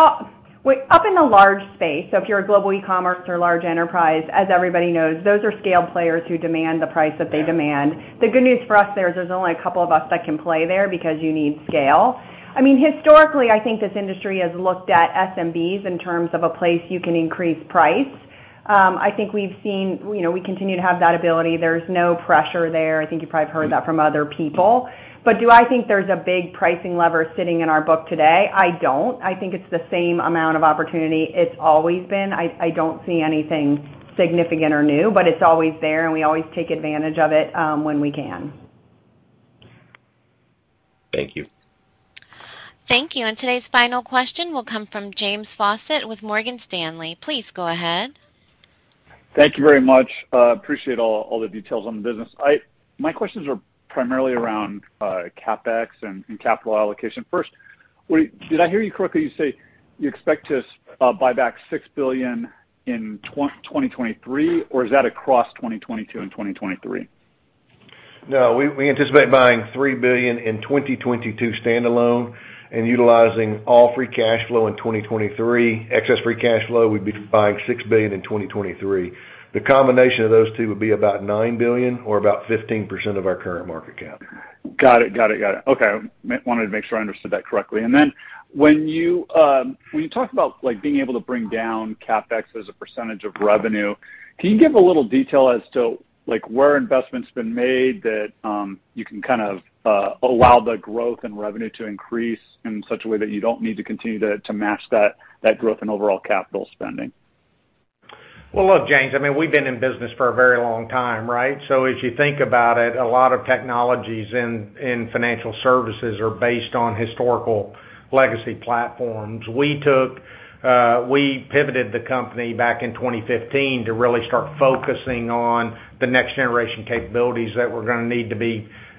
Speaker 4: up in the large space, so if you're a global e-commerce or large enterprise, as everybody knows, those are scaled players who demand the price that they demand. The good news for us there is there's only a couple of us that can play there because you need scale. I mean, historically, I think this industry has looked at SMBs in terms of a place you can increase price. I think we've seen, you know, we continue to have that ability. There's no pressure there. I think you probably heard that from other people. Do I think there's a big pricing lever sitting in our book today? I don't. I think it's the same amount of opportunity it's always been. I don't see anything significant or new, but it's always there, and we always take advantage of it when we can.
Speaker 15: Thank you.
Speaker 1: Thank you. Today's final question will come from James Faucette with Morgan Stanley. Please go ahead.
Speaker 16: Thank you very much. I appreciate all the details on the business. My questions are primarily around CapEx and capital allocation. First, Woody, did I hear you correctly you say you expect to buy back $6 billion in 2023, or is that across 2022 and 2023?
Speaker 8: No, we anticipate buying $3 billion in 2022 standalone and utilizing all free cash flow in 2023. Excess free cash flow, we'd be buying $6 billion in 2023. The combination of those two would be about $9 billion or about 15% of our current market cap.
Speaker 16: Got it. Okay. Wanted to make sure I understood that correctly. Then when you talk about, like, being able to bring down CapEx as a percentage of revenue, can you give a little detail as to, like, where investment's been made that you can kind of allow the growth and revenue to increase in such a way that you don't need to continue to match that growth in overall capital spending?
Speaker 3: Well, look, James, I mean, we've been in business for a very long time, right? As you think about it, a lot of technologies in financial services are based on historical legacy platforms. We pivoted the company back in 2015 to really start focusing on the next generation capabilities that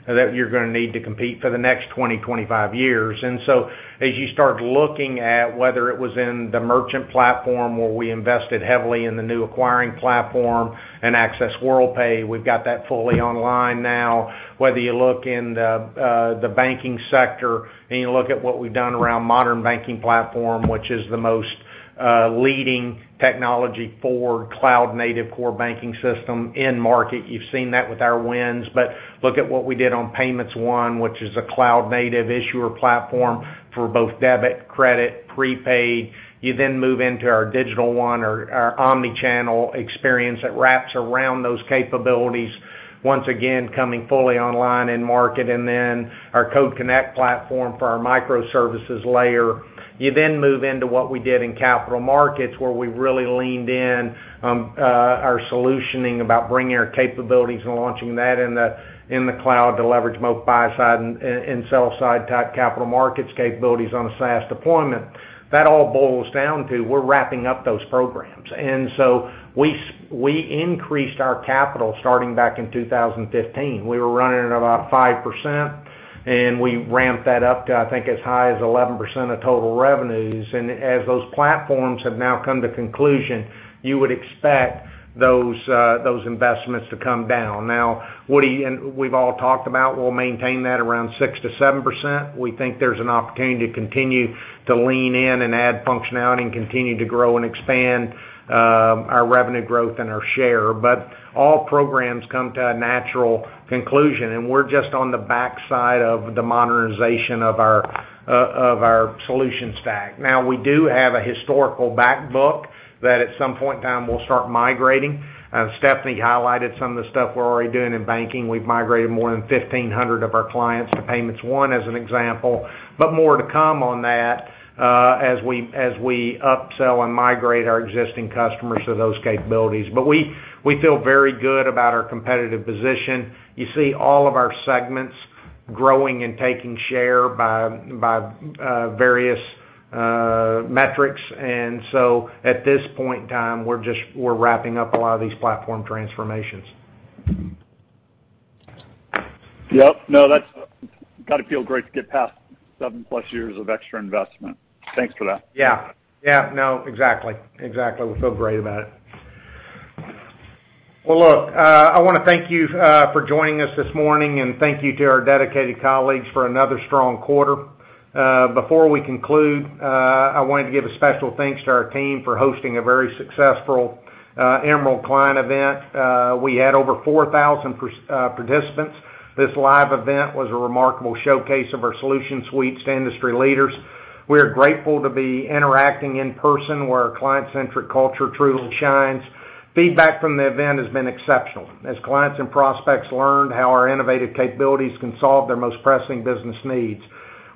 Speaker 3: you're gonna need to compete for the next 20, 25 years. As you start looking at whether it was in the merchant platform where we invested heavily in the new acquiring platform and Access Worldpay, we've got that fully online now. Whether you look in the banking sector and you look at what we've done around Modern Banking Platform, which is the most leading technology for cloud-native core banking system in market. You've seen that with our wins. Look at what we did on Payments One, which is a cloud-native issuer platform for both debit, credit, prepaid. You then move into our Digital One or our omnichannel experience that wraps around those capabilities, once again, coming fully online in market, and then our Code Connect platform for our microservices layer. You then move into what we did in capital markets, where we really leaned in, our solutioning about bringing our capabilities and launching that in the cloud to leverage both buy side and sell side type capital markets capabilities on a SaaS deployment. That all boils down to we're wrapping up those programs. We increased our capital starting back in 2015. We were running at about 5%, and we ramped that up to, I think as high as 11% of total revenues. As those platforms have now come to conclusion, you would expect those investments to come down. Now, Woody, and we've all talked about we'll maintain that around 6%-7%. We think there's an opportunity to continue to lean in and add functionality and continue to grow and expand, our revenue growth and our share. All programs come to a natural conclusion, and we're just on the backside of the modernization of our solution stack. Now, we do have a historical back book that at some point in time we'll start migrating. Stephanie highlighted some of the stuff we're already doing in banking. We've migrated more than 1,500 of our clients to Payments One, as an example, but more to come on that, as we upsell and migrate our existing customers to those capabilities. We feel very good about our competitive position. You see all of our segments growing and taking share by various metrics. At this point in time, we're just wrapping up a lot of these platform transformations.
Speaker 16: Yep. No, that's gotta feel great to get past seven-plus years of extra investment. Thanks for that.
Speaker 3: Yeah. No, exactly. We feel great about it. Well, look, I wanna thank you for joining us this morning, and thank you to our dedicated colleagues for another strong quarter. Before we conclude, I wanted to give a special thanks to our team for hosting a very successful Emerald client event. We had over 4,000 participants. This live event was a remarkable showcase of our solution suites to industry leaders. We are grateful to be interacting in person, where our client-centric culture truly shines. Feedback from the event has been exceptional, as clients and prospects learned how our innovative capabilities can solve their most pressing business needs.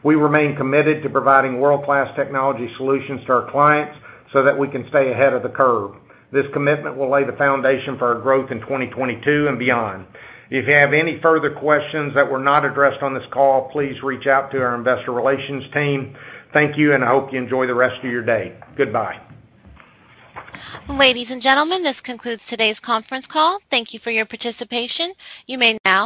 Speaker 3: We remain committed to providing world-class technology solutions to our clients so that we can stay ahead of the curve. This commitment will lay the foundation for our growth in 2022 and beyond. If you have any further questions that were not addressed on this call, please reach out to our investor relations team. Thank you, and I hope you enjoy the rest of your day. Goodbye.
Speaker 1: Ladies and gentlemen, this concludes today's conference call. Thank you for your participation. You may now disconnect.